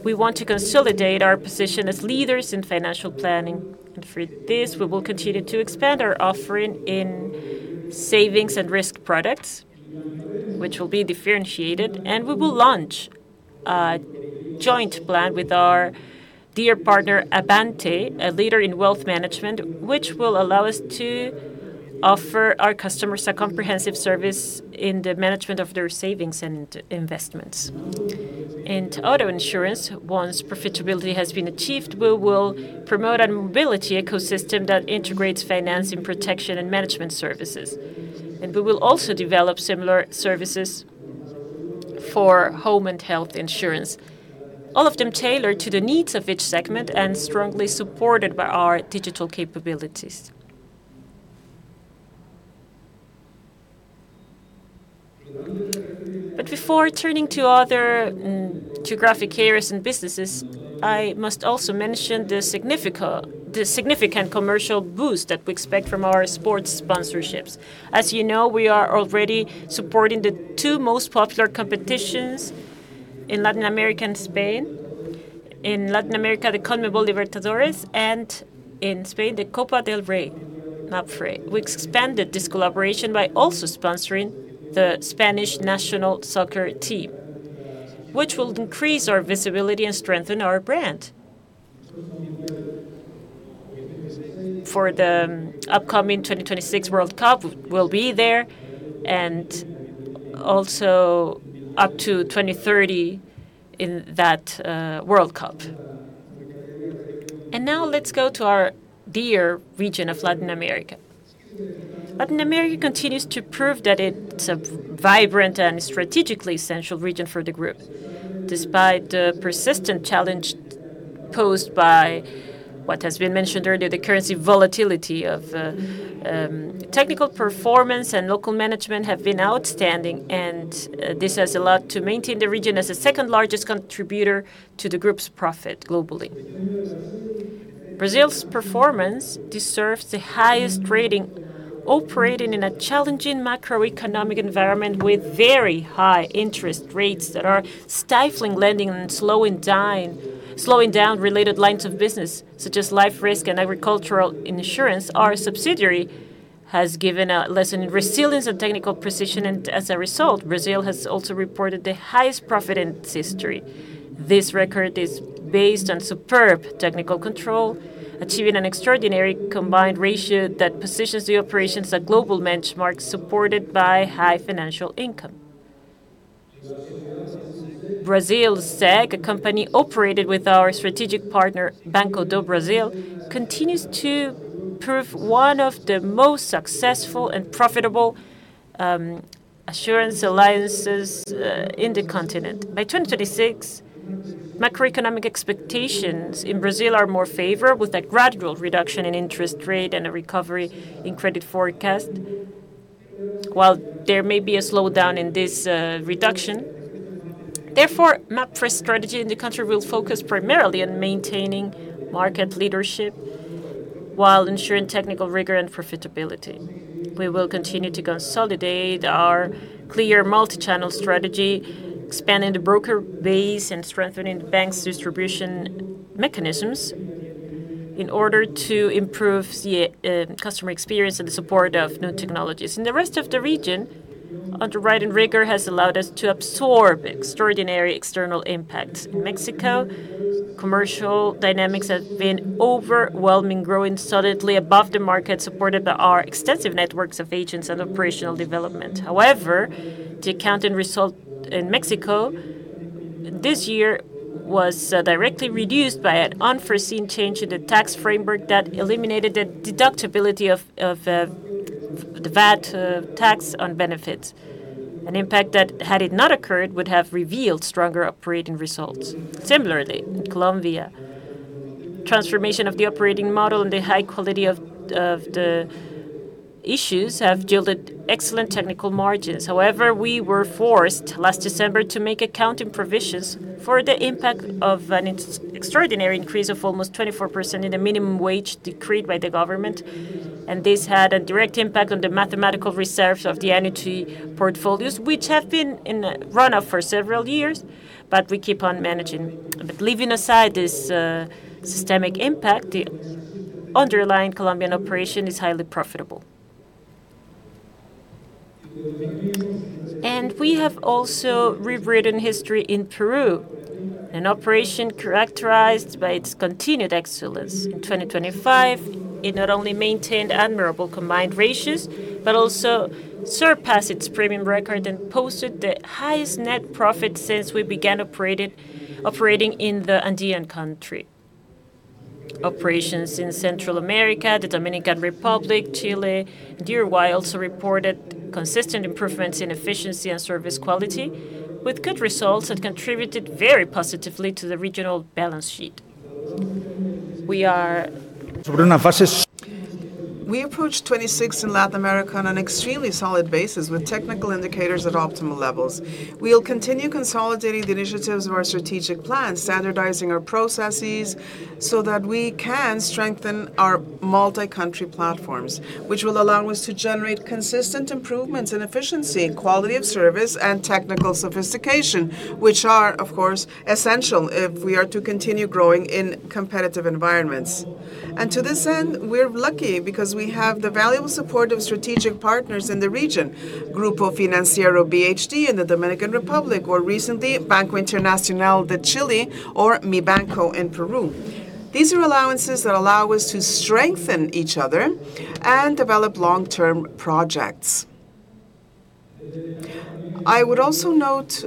we want to consolidate our position as leaders in financial planning. For this, we will continue to expand our offering in savings and risk products, which will be differentiated, and we will launch a joint plan with our dear partner, Abante, a leader in wealth management, which will allow us to offer our customers a comprehensive service in the management of their savings and investments. In auto insurance, once profitability has been achieved, we will promote a mobility ecosystem that integrates financing, protection, and management services. We will also develop similar services for home and health insurance, all of them tailored to the needs of each segment and strongly supported by our digital capabilities. Before turning to other geographic areas and businesses, I must also mention the significant commercial boost that we expect from our sports sponsorships. As you know, we are already supporting the two most popular competitions in Latin America and Spain. In Latin America, the CONMEBOL Libertadores, and in Spain, the Copa del Rey MAPFRE. We expanded this collaboration by also sponsoring the Spanish national soccer team, which will increase our visibility and strengthen our brand. For the upcoming 2026 World Cup, we'll be there, and also up to 2030 in that World Cup. Now let's go to our dear region of Latin America. Latin America continues to prove that it's a vibrant and strategically essential region for the group. Despite the persistent challenge posed by what has been mentioned earlier, the currency volatility. Technical performance and local management have been outstanding, and this has allowed to maintain the region as the second-largest contributor to the group's profit globally. Brazil's performance deserves the highest rating. Operating in a challenging macroeconomic environment with very high interest rates that are stifling lending and slowing down related lines of business, such as life risk and agricultural insurance, our subsidiary has given a lesson in resilience and technical precision, and as a result, Brazil has also reported the highest profit in its history. This record is based on superb technical control, achieving an extraordinary combined ratio that positions the operations as a global benchmark supported by high financial income. Brazil said, a company operated with our strategic partner, Banco do Brasil, continues to prove one of the most successful and profitable assurance alliances in the continent. By 2026, macroeconomic expectations in Brazil are more favorable, with a gradual reduction in interest rate and a recovery in credit forecast, while there may be a slowdown in this reduction. Therefore, Mapfre's strategy in the country will focus primarily on maintaining market leadership while ensuring technical rigor and profitability. We will continue to consolidate our clear multi-channel strategy, expanding the broker base and strengthening the bank's distribution mechanisms in order to improve the customer experience and the support of new technologies. In the rest of the region, underwriting rigor has allowed us to absorb extraordinary external impacts. In Mexico, commercial dynamics have been overwhelming, growing solidly above the market supported by our extensive networks of agents and operational development. However, the accounting result in Mexico this year was directly reduced by an unforeseen change in the tax framework that eliminated the deductibility of the VAT tax on benefits, an impact that, had it not occurred, would have revealed stronger operating results. Similarly, in Colombia, transformation of the operating model and the high quality of the issues have yielded excellent technical margins. However, we were forced last December to make accounting provisions for the impact of an extraordinary increase of almost 24% in the minimum wage decreed by the government, and this had a direct impact on the mathematical reserves of the energy portfolios, which have been in a runoff for several years, but we keep on managing. Leaving aside this systemic impact, the underlying Colombian operation is highly profitable. We have also rewritten history in Peru, an operation characterized by its continued excellence. In 2025, it not only maintained admirable combined ratios, but also surpassed its premium record and posted the highest net profit since we began operating in the Andean country. Operations in Central America, the Dominican Republic, Chile, and Uruguay also reported consistent improvements in efficiency and service quality, with good results that contributed very positively to the regional balance sheet. We are- We approach 2026 in Latin America on an extremely solid basis with technical indicators at optimal levels. We will continue consolidating the initiatives of our strategic plan, standardizing our processes, so that we can strengthen our multi-country platforms, which will allow us to generate consistent improvements in efficiency, quality of service, and technical sophistication, which are, of course, essential if we are to continue growing in competitive environments. To this end, we're lucky because we have the valuable support of strategic partners in the region, Centro Financiero BHD León in the Dominican Republic or recently Banco Internacional or Mibanco in Peru. These are alliances that allow us to strengthen each other and develop long-term projects. I would also note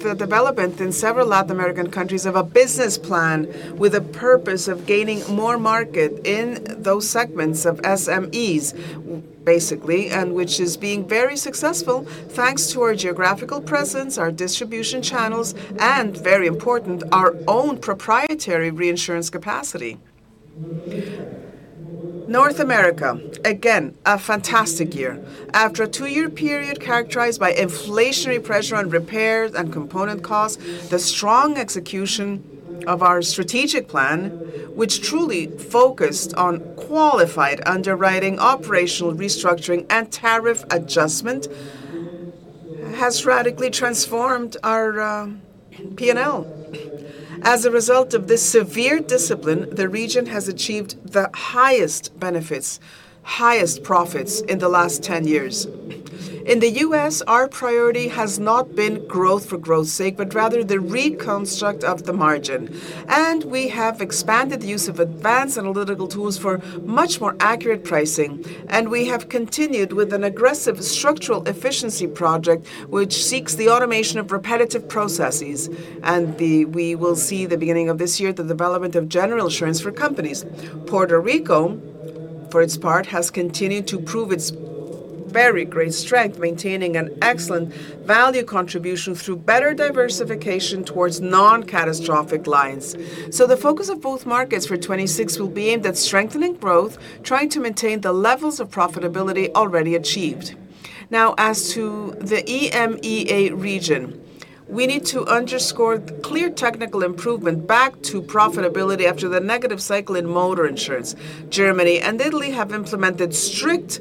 the development in several Latin American countries of a business plan with the purpose of gaining more market in those segments of SMEs, basically, and which is being very successful, thanks to our geographical presence, our distribution channels, and very important, our own proprietary reinsurance capacity. North America, again, a fantastic year. After a two-year period characterized by inflationary pressure on repairs and component costs, the strong execution of our strategic plan, which truly focused on qualified underwriting, operational restructuring, and tariff adjustment, has radically transformed our P&L. As a result of this severe discipline, the region has achieved the highest benefits, highest profits in the last 10 years. In the US, our priority has not been growth for growth's sake, but rather the reconstruct of the margin, and we have expanded the use of advanced analytical tools for much more accurate pricing. We have continued with an aggressive structural efficiency project, which seeks the automation of repetitive processes. We will see the beginning of this year, the development of general insurance for companies. Puerto Rico, for its part, has continued to prove its very great strength, maintaining an excellent value contribution through better diversification towards non-catastrophic lines. The focus of both markets for 2026 will be aimed at strengthening growth, trying to maintain the levels of profitability already achieved. Now, as to the EMEA region, we need to underscore the clear technical improvement back to profitability after the negative cycle in motor insurance. Germany and Italy have implemented strict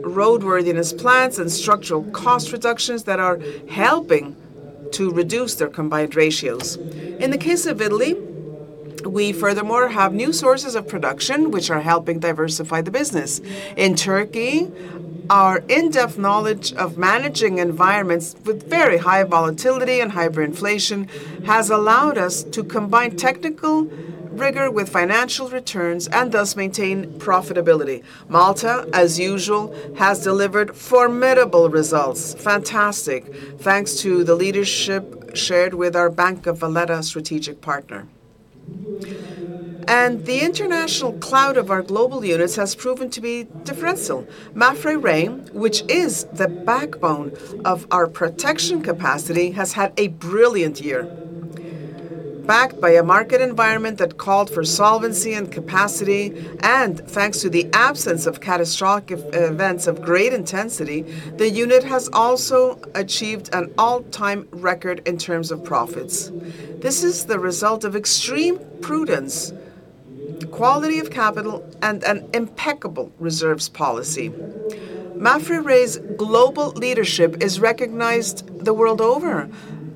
roadworthiness plans and structural cost reductions that are helping to reduce their combined ratios. In the case of Italy, we furthermore have new sources of production which are helping diversify the business. In Turkey, our in-depth knowledge of managing environments with very high volatility and hyperinflation has allowed us to combine technical rigor with financial returns and thus maintain profitability. Malta, as usual, has delivered formidable results, fantastic, thanks to the leadership shared with our Bank of Valletta strategic partner. The international clout of our global units has proven to be differential. Mapfre RE, which is the backbone of our protection capacity, has had a brilliant year. Backed by a market environment that called for solvency and capacity, and thanks to the absence of catastrophic events of great intensity, the unit has also achieved an all-time record in terms of profits. This is the result of extreme prudence, quality of capital, and an impeccable reserves policy. MAPFRE RE's global leadership is recognized the world over,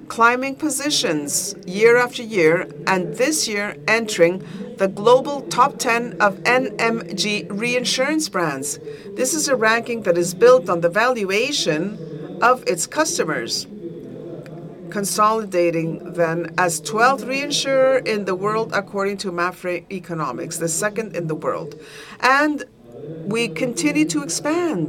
climbing positions year-after-year, and this year entering the global top 10 of NMG reinsurance brands. This is a ranking that is built on the valuation of its customers, consolidating them as 12th reinsurer in the world according to MAPFRE Economics, the second in the world. We continue to expand.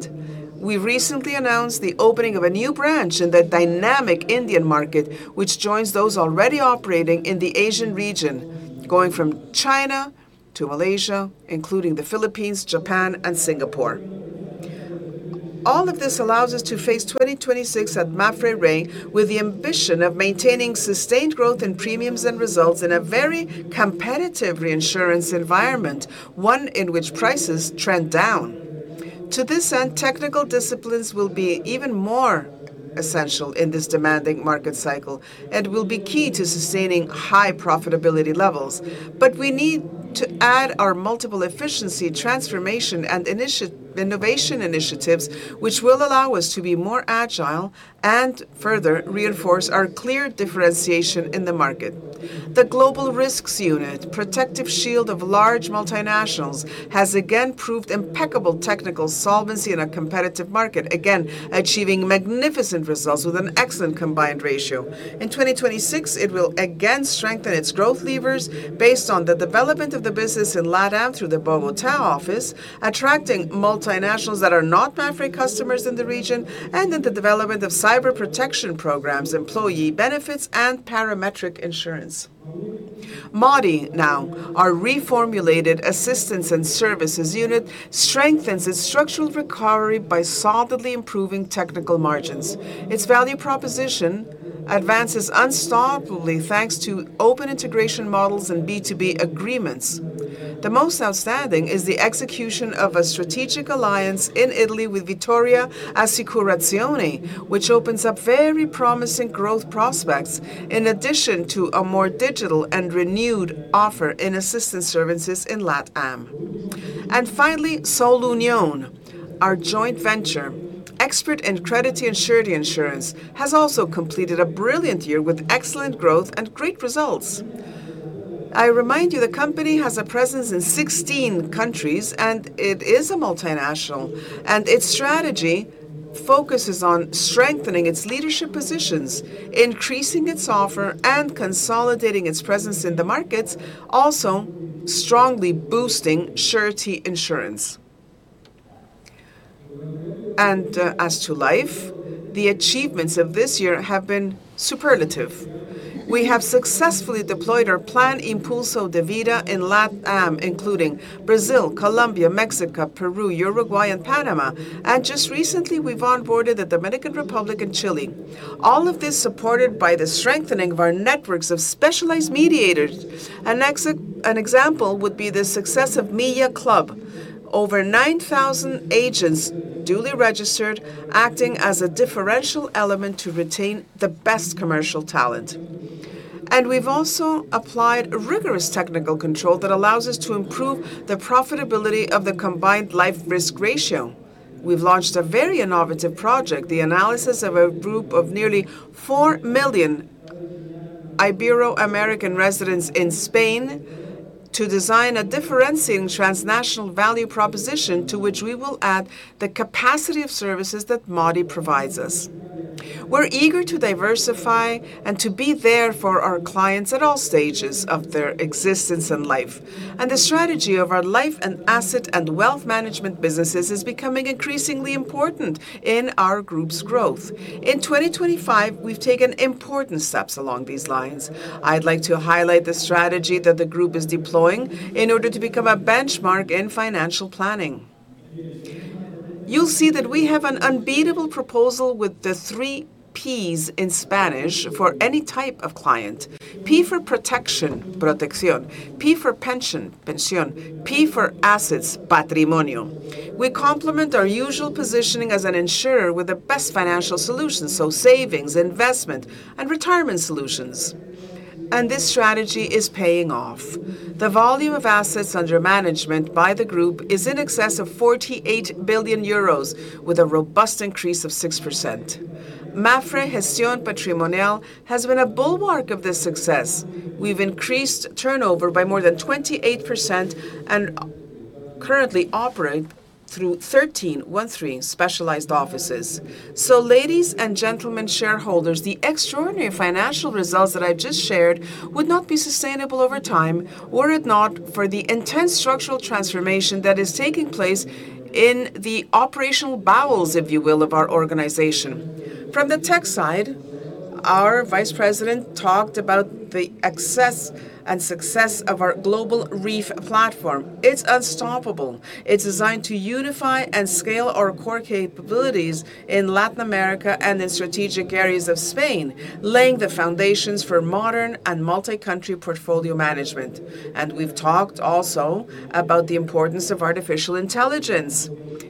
We recently announced the opening of a new branch in the dynamic Indian market, which joins those already operating in the Asian region, going from China to Malaysia, including the Philippines, Japan, and Singapore. All of this allows us to face 2026 at MAPFRE RE with the ambition of maintaining sustained growth in premiums and results in a very competitive reinsurance environment, one in which prices trend down. To this end, technical disciplines will be even more essential in this demanding market cycle and will be key to sustaining high profitability levels. We need to add our multiple efficiency transformation and innovation initiatives, which will allow us to be more agile and further reinforce our clear differentiation in the market. The Global Risks Unit, protective shield of large multinationals, has again proved impeccable technical solvency in a competitive market, again achieving magnificent results with an excellent combined ratio. In 2026, it will again strengthen its growth levers based on the development of the business in LatAm through the Bermuda office, attracting multinationals that are not Mapfre customers in the region and in the development of cyber protection programs, employee benefits, and parametric insurance. Meanwhile, our reformulated assistance and services unit strengthens its structural recovery by solidly improving technical margins. Its value proposition advances unstoppably thanks to open integration models and B2B agreements. The most outstanding is the execution of a strategic alliance in Italy with Vittoria Assicurazioni, which opens up very promising growth prospects in addition to a more digital and renewed offer in assistance services in LatAm. Finally, Solunion, our joint venture. Expert in credit and surety insurance has also completed a brilliant year with excellent growth and great results. I remind you, the company has a presence in 16 countries, and it is a multinational, and its strategy focuses on strengthening its leadership positions, increasing its offer, and consolidating its presence in the markets, also strongly boosting surety insurance. As to life, the achievements of this year have been superlative. We have successfully deployed our plan Impulso de Vida in LatAm, including Brazil, Colombia, Mexico, Peru, Uruguay, and Panama. Just recently, we've onboarded the Dominican Republic and Chile. All of this supported by the strengthening of our networks of specialized mediators. An example would be the success of Club Milla. Over 9,000 agents duly registered, acting as a differential element to retain the best commercial talent. We've also applied a rigorous technical control that allows us to improve the profitability of the combined life risk ratio. We've launched a very innovative project, the analysis of a group of nearly 4 million Ibero-American residents in Spain to design a differentiating transnational value proposition to which we will add the capacity of services that MAWDY provides us. We're eager to diversify and to be there for our clients at all stages of their existence in life. The strategy of our life and asset and wealth management businesses is becoming increasingly important in our group's growth. In 2025, we've taken important steps along these lines. I'd like to highlight the strategy that the group is deploying in order to become a benchmark in financial planning. You'll see that we have an unbeatable proposal with the three Ps in Spanish for any type of client. P for protection, protección. P for pension, pensión. P for assets, patrimonio. We complement our usual positioning as an insurer with the best financial solutions, so savings, investment, and retirement solutions. This strategy is paying off. The volume of assets under management by the group is in excess of 48 billion euros with a robust increase of 6%. Mapfre Gestión Patrimonial has been a bulwark of this success. We've increased turnover by more than 28% and currently operate through 1,313 specialized offices. Ladies and gentlemen shareholders, the extraordinary financial results that I've just shared would not be sustainable over time were it not for the intense structural transformation that is taking place in the operational bowels, if you will, of our organization. From the tech side, our vice president talked about the access and success of our global REEF platform. It's unstoppable. It's designed to unify and scale our core capabilities in Latin America and in strategic areas of Spain, laying the foundations for modern and multi-country portfolio management. We've talked also about the importance of artificial intelligence.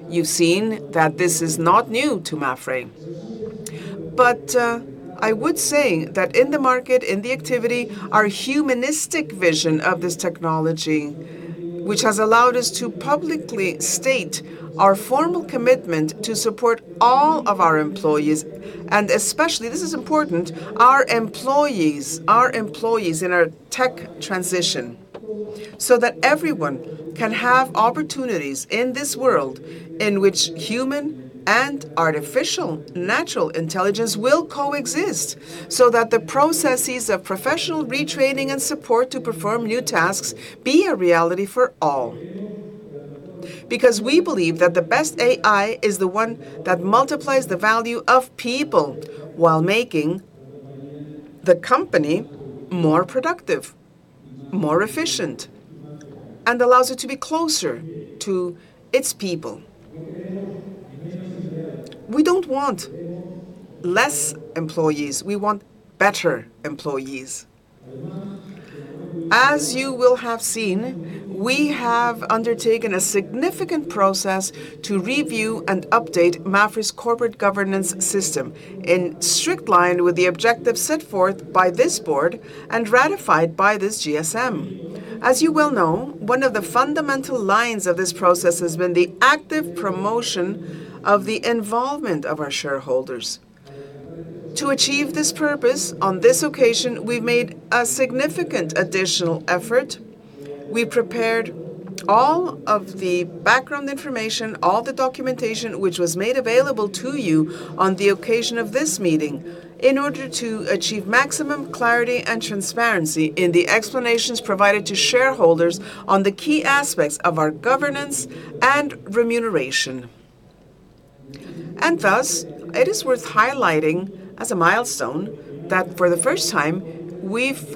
You've seen that this is not new to Mapfre. I would say that in the market, in the activity, our humanistic vision of this technology, which has allowed us to publicly state our formal commitment to support all of our employees, and especially, this is important, our employees in our tech transition, so that everyone can have opportunities in this world in which human and artificial, natural intelligence will coexist, so that the processes of professional retraining and support to perform new tasks be a reality for all. Because we believe that the best AI is the one that multiplies the value of people while making the company more productive, more efficient, and allows it to be closer to its people. We don't want less employees, we want better employees. As you will have seen, we have undertaken a significant process to review and update Mapfre's corporate governance system in strict line with the objectives set forth by this board and ratified by this GSM. As you well know, one of the fundamental lines of this process has been the active promotion of the involvement of our shareholders. To achieve this purpose, on this occasion, we've made a significant additional effort. We prepared all of the background information, all the documentation, which was made available to you on the occasion of this meeting in order to achieve maximum clarity and transparency in the explanations provided to shareholders on the key aspects of our governance and remuneration. Thus, it is worth highlighting as a milestone that for the first time, we've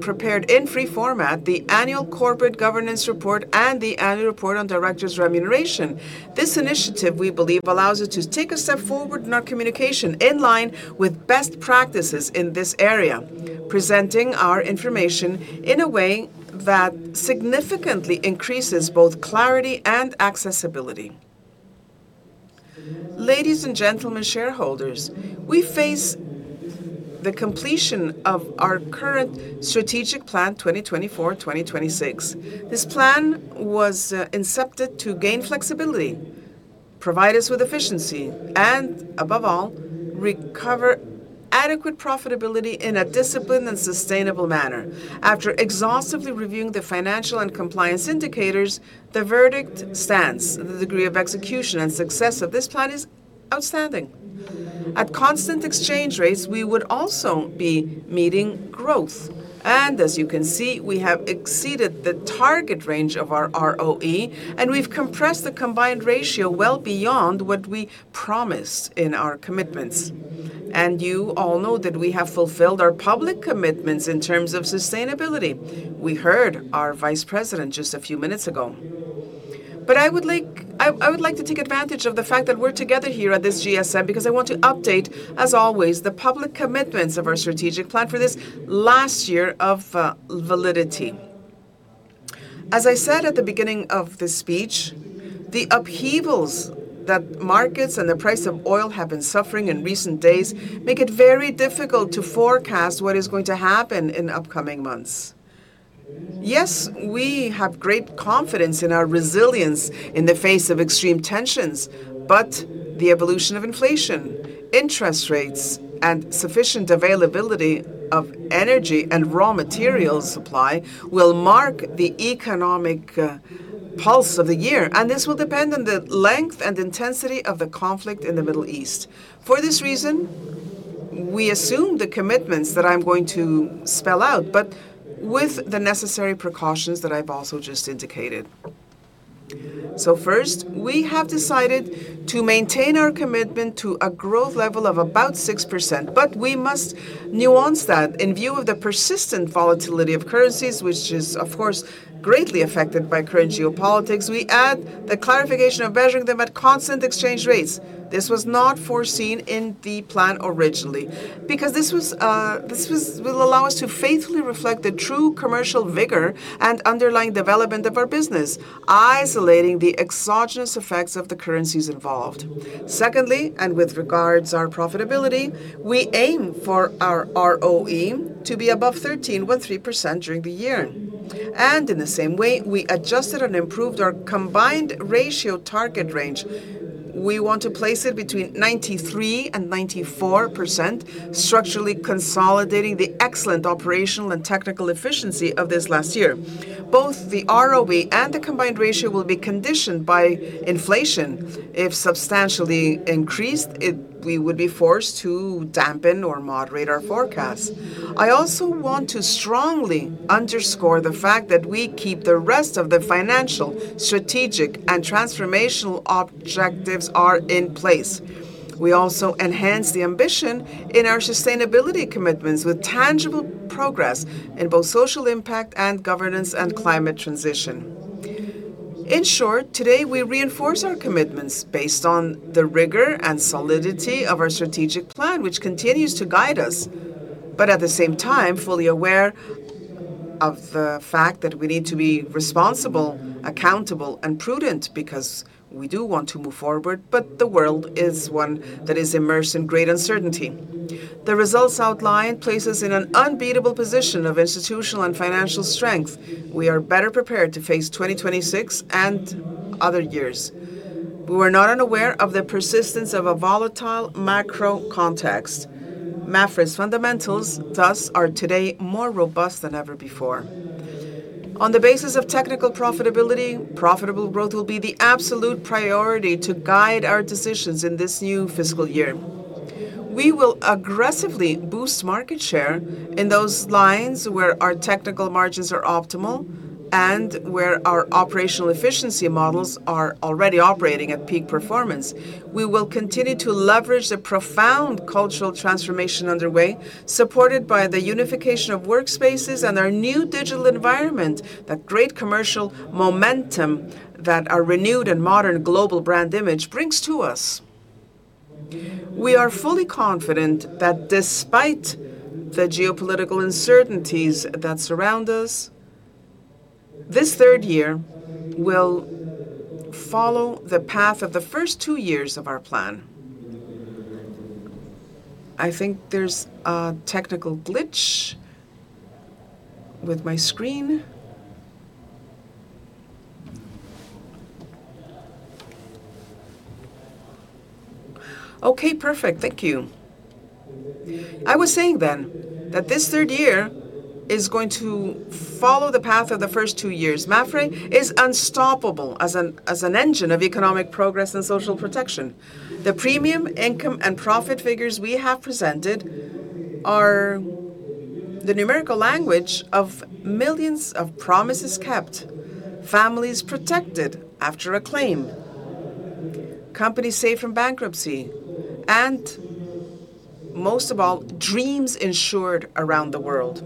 prepared in free format the annual corporate governance report and the annual report on directors' remuneration. This initiative, we believe, allows us to take a step forward in our communication in line with best practices in this area, presenting our information in a way that significantly increases both clarity and accessibility. Ladies and gentlemen shareholders, we face the completion of our current strategic plan, 2024-2026. This plan was incepted to gain flexibility, provide us with efficiency, and above all, recover adequate profitability in a disciplined and sustainable manner. After exhaustively reviewing the financial and compliance indicators, the verdict stands. The degree of execution and success of this plan is outstanding. At constant exchange rates, we would also be meeting growth. As you can see, we have exceeded the target range of our ROE, and we've compressed the combined ratio well beyond what we promised in our commitments. You all know that we have fulfilled our public commitments in terms of sustainability. We heard our vice president just a few minutes ago. I would like to take advantage of the fact that we're together here at this GSM because I want to update, as always, the public commitments of our strategic plan for this last year of validity. As I said at the beginning of this speech, the upheavals that markets and the price of oil have been suffering in recent days make it very difficult to forecast what is going to happen in upcoming months. Yes, we have great confidence in our resilience in the face of extreme tensions, but the evolution of inflation, interest rates, and sufficient availability of energy and raw material supply will mark the economic pulse of the year. This will depend on the length and intensity of the conflict in the Middle East. For this reason, we assume the commitments that I'm going to spell out, but with the necessary precautions that I've also just indicated. First, we have decided to maintain our commitment to a growth level of about 6%, but we must nuance that in view of the persistent volatility of currencies, which is, of course, greatly affected by current geopolitics. We add the clarification of measuring them at constant exchange rates. This was not foreseen in the plan originally, because will allow us to faithfully reflect the true commercial vigor and underlying development of our business, isolating the exogenous effects of the currencies involved. Second, with regard to our profitability, we aim for our ROE to be above 13.3% during the year. We adjusted and improved our combined ratio target range. We want to place it between 93%-94%, structurally consolidating the excellent operational and technical efficiency of this last year. Both the ROE and the combined ratio will be conditioned by inflation. If substantially increased, we would be forced to dampen or moderate our forecast. I also want to strongly underscore the fact that we keep the rest of the financial, strategic, and transformational objectives are in place. We also enhance the ambition in our sustainability commitments with tangible progress in both social impact and governance and climate transition. In short, today we reinforce our commitments based on the rigor and solidity of our strategic plan, which continues to guide us, but at the same time, fully aware of the fact that we need to be responsible, accountable, and prudent because we do want to move forward, but the world is one that is immersed in great uncertainty. The results outlined place us in an unbeatable position of institutional and financial strength. We are better prepared to face 2026 and other years. We were not unaware of the persistence of a volatile macro context. MAPFRE's fundamentals, thus, are today more robust than ever before. On the basis of technical profitability, profitable growth will be the absolute priority to guide our decisions in this new fiscal year. We will aggressively boost market share in those lines where our technical margins are optimal and where our operational efficiency models are already operating at peak performance. We will continue to leverage the profound cultural transformation underway, supported by the unification of workspaces and our new digital environment, that great commercial momentum that our renewed and modern global brand image brings to us. We are fully confident that despite the geopolitical uncertainties that surround us, this third year will follow the path of the first two years of our plan. I think there's a technical glitch with my screen. Okay, perfect. Thank you. I was saying then that this third year is going to follow the path of the first two years. MAPFRE is unstoppable as an engine of economic progress and social protection. The premium income and profit figures we have presented are the numerical language of millions of promises kept, families protected after a claim, companies saved from bankruptcy, and most of all, dreams insured around the world.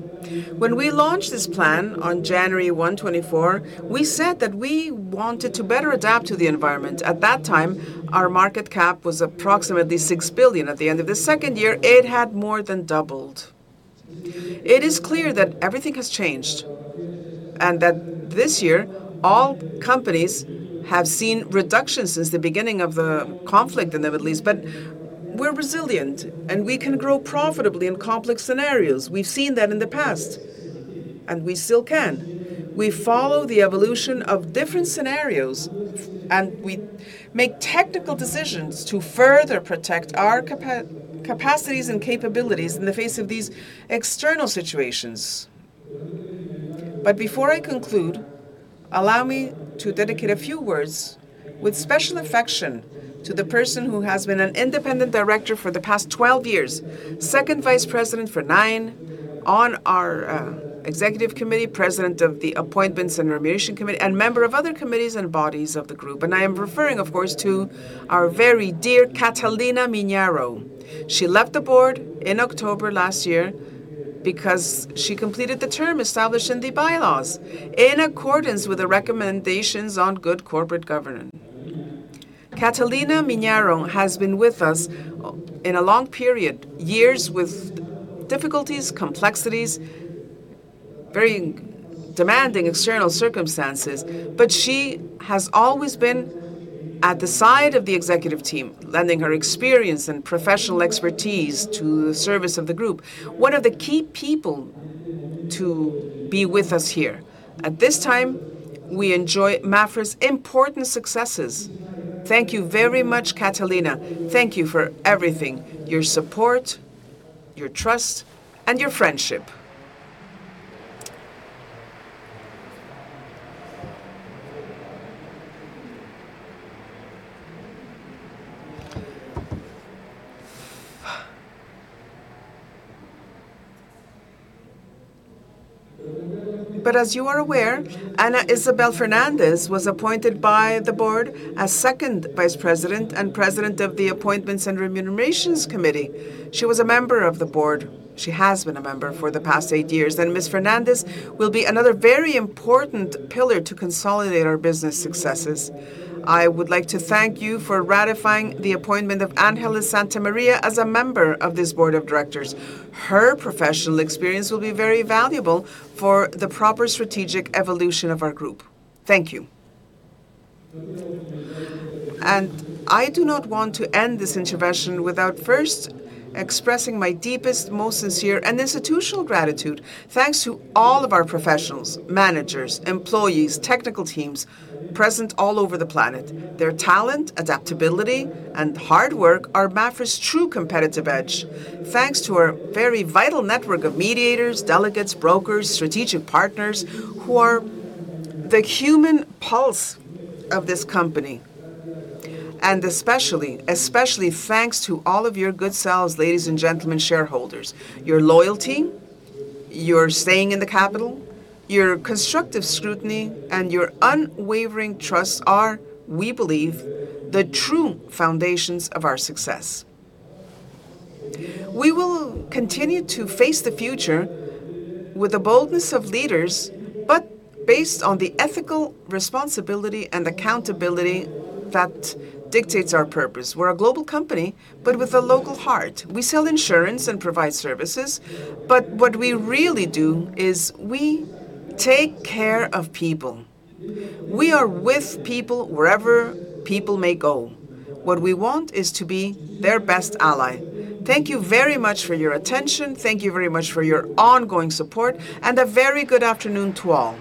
When we launched this plan on January 1, 2024, we said that we wanted to better adapt to the environment. At that time, our market cap was approximately 6 billion. At the end of the second year, it had more than doubled. It is clear that everything has changed and that this year all companies have seen reductions since the beginning of the conflict in the Middle East. We're resilient, and we can grow profitably in complex scenarios. We've seen that in the past, and we still can. We follow the evolution of different scenarios, and we make technical decisions to further protect our capacities and capabilities in the face of these external situations. Before I conclude, allow me to dedicate a few words with special affection to the person who has been an independent director for the past 12 years, second vice president for nine, on our executive committee, president of the Appointments and Remuneration Committee, and member of other committees and bodies of the group. I am referring, of course, to our very dear Catalina Miñarro. She left the board in October last year because she completed the term established in the bylaws in accordance with the recommendations on good corporate governance. Catalina Miñarro has been with us in a long period, years with difficulties, complexities, very demanding external circumstances, but she has always been at the side of the executive team, lending her experience and professional expertise to the service of the group. One of the key people to be with us here. At this time, we enjoy MAPFRE's important successes. Thank you very much, Catalina. Thank you for everything, your support, your trust, and your friendship. As you are aware, Ana Isabel Fernández was appointed by the board as second vice president and president of the Appointments and Remuneration Committee. She was a member of the board. She has been a member for the past eight years, and Ms. Fernández will be another very important pillar to consolidate our business successes. I would like to thank you for ratifying the appointment of Ángeles Santamaría as a member of this board of directors. Her professional experience will be very valuable for the proper strategic evolution of our group. Thank you. I do not want to end this intervention without first expressing my deepest, most sincere, and institutional gratitude. Thanks to all of our professionals, managers, employees, technical teams present all over the planet. Their talent, adaptability, and hard work are MAPFRE's true competitive edge. Thanks to our very vital network of mediators, delegates, brokers, strategic partners who are the human pulse of this company. Especially thanks to all of your good selves, ladies and gentlemen, shareholders. Your loyalty, your staying in the capital, your constructive scrutiny, and your unwavering trust are, we believe, the true foundations of our success. We will continue to face the future with the boldness of leaders, but based on the ethical responsibility and accountability that dictates our purpose. We're a global company, but with a local heart. We sell insurance and provide services, but what we really do is we take care of people. We are with people wherever people may go. What we want is to be their best ally. Thank you very much for your attention. Thank you very much for your ongoing support, and a very good afternoon to all.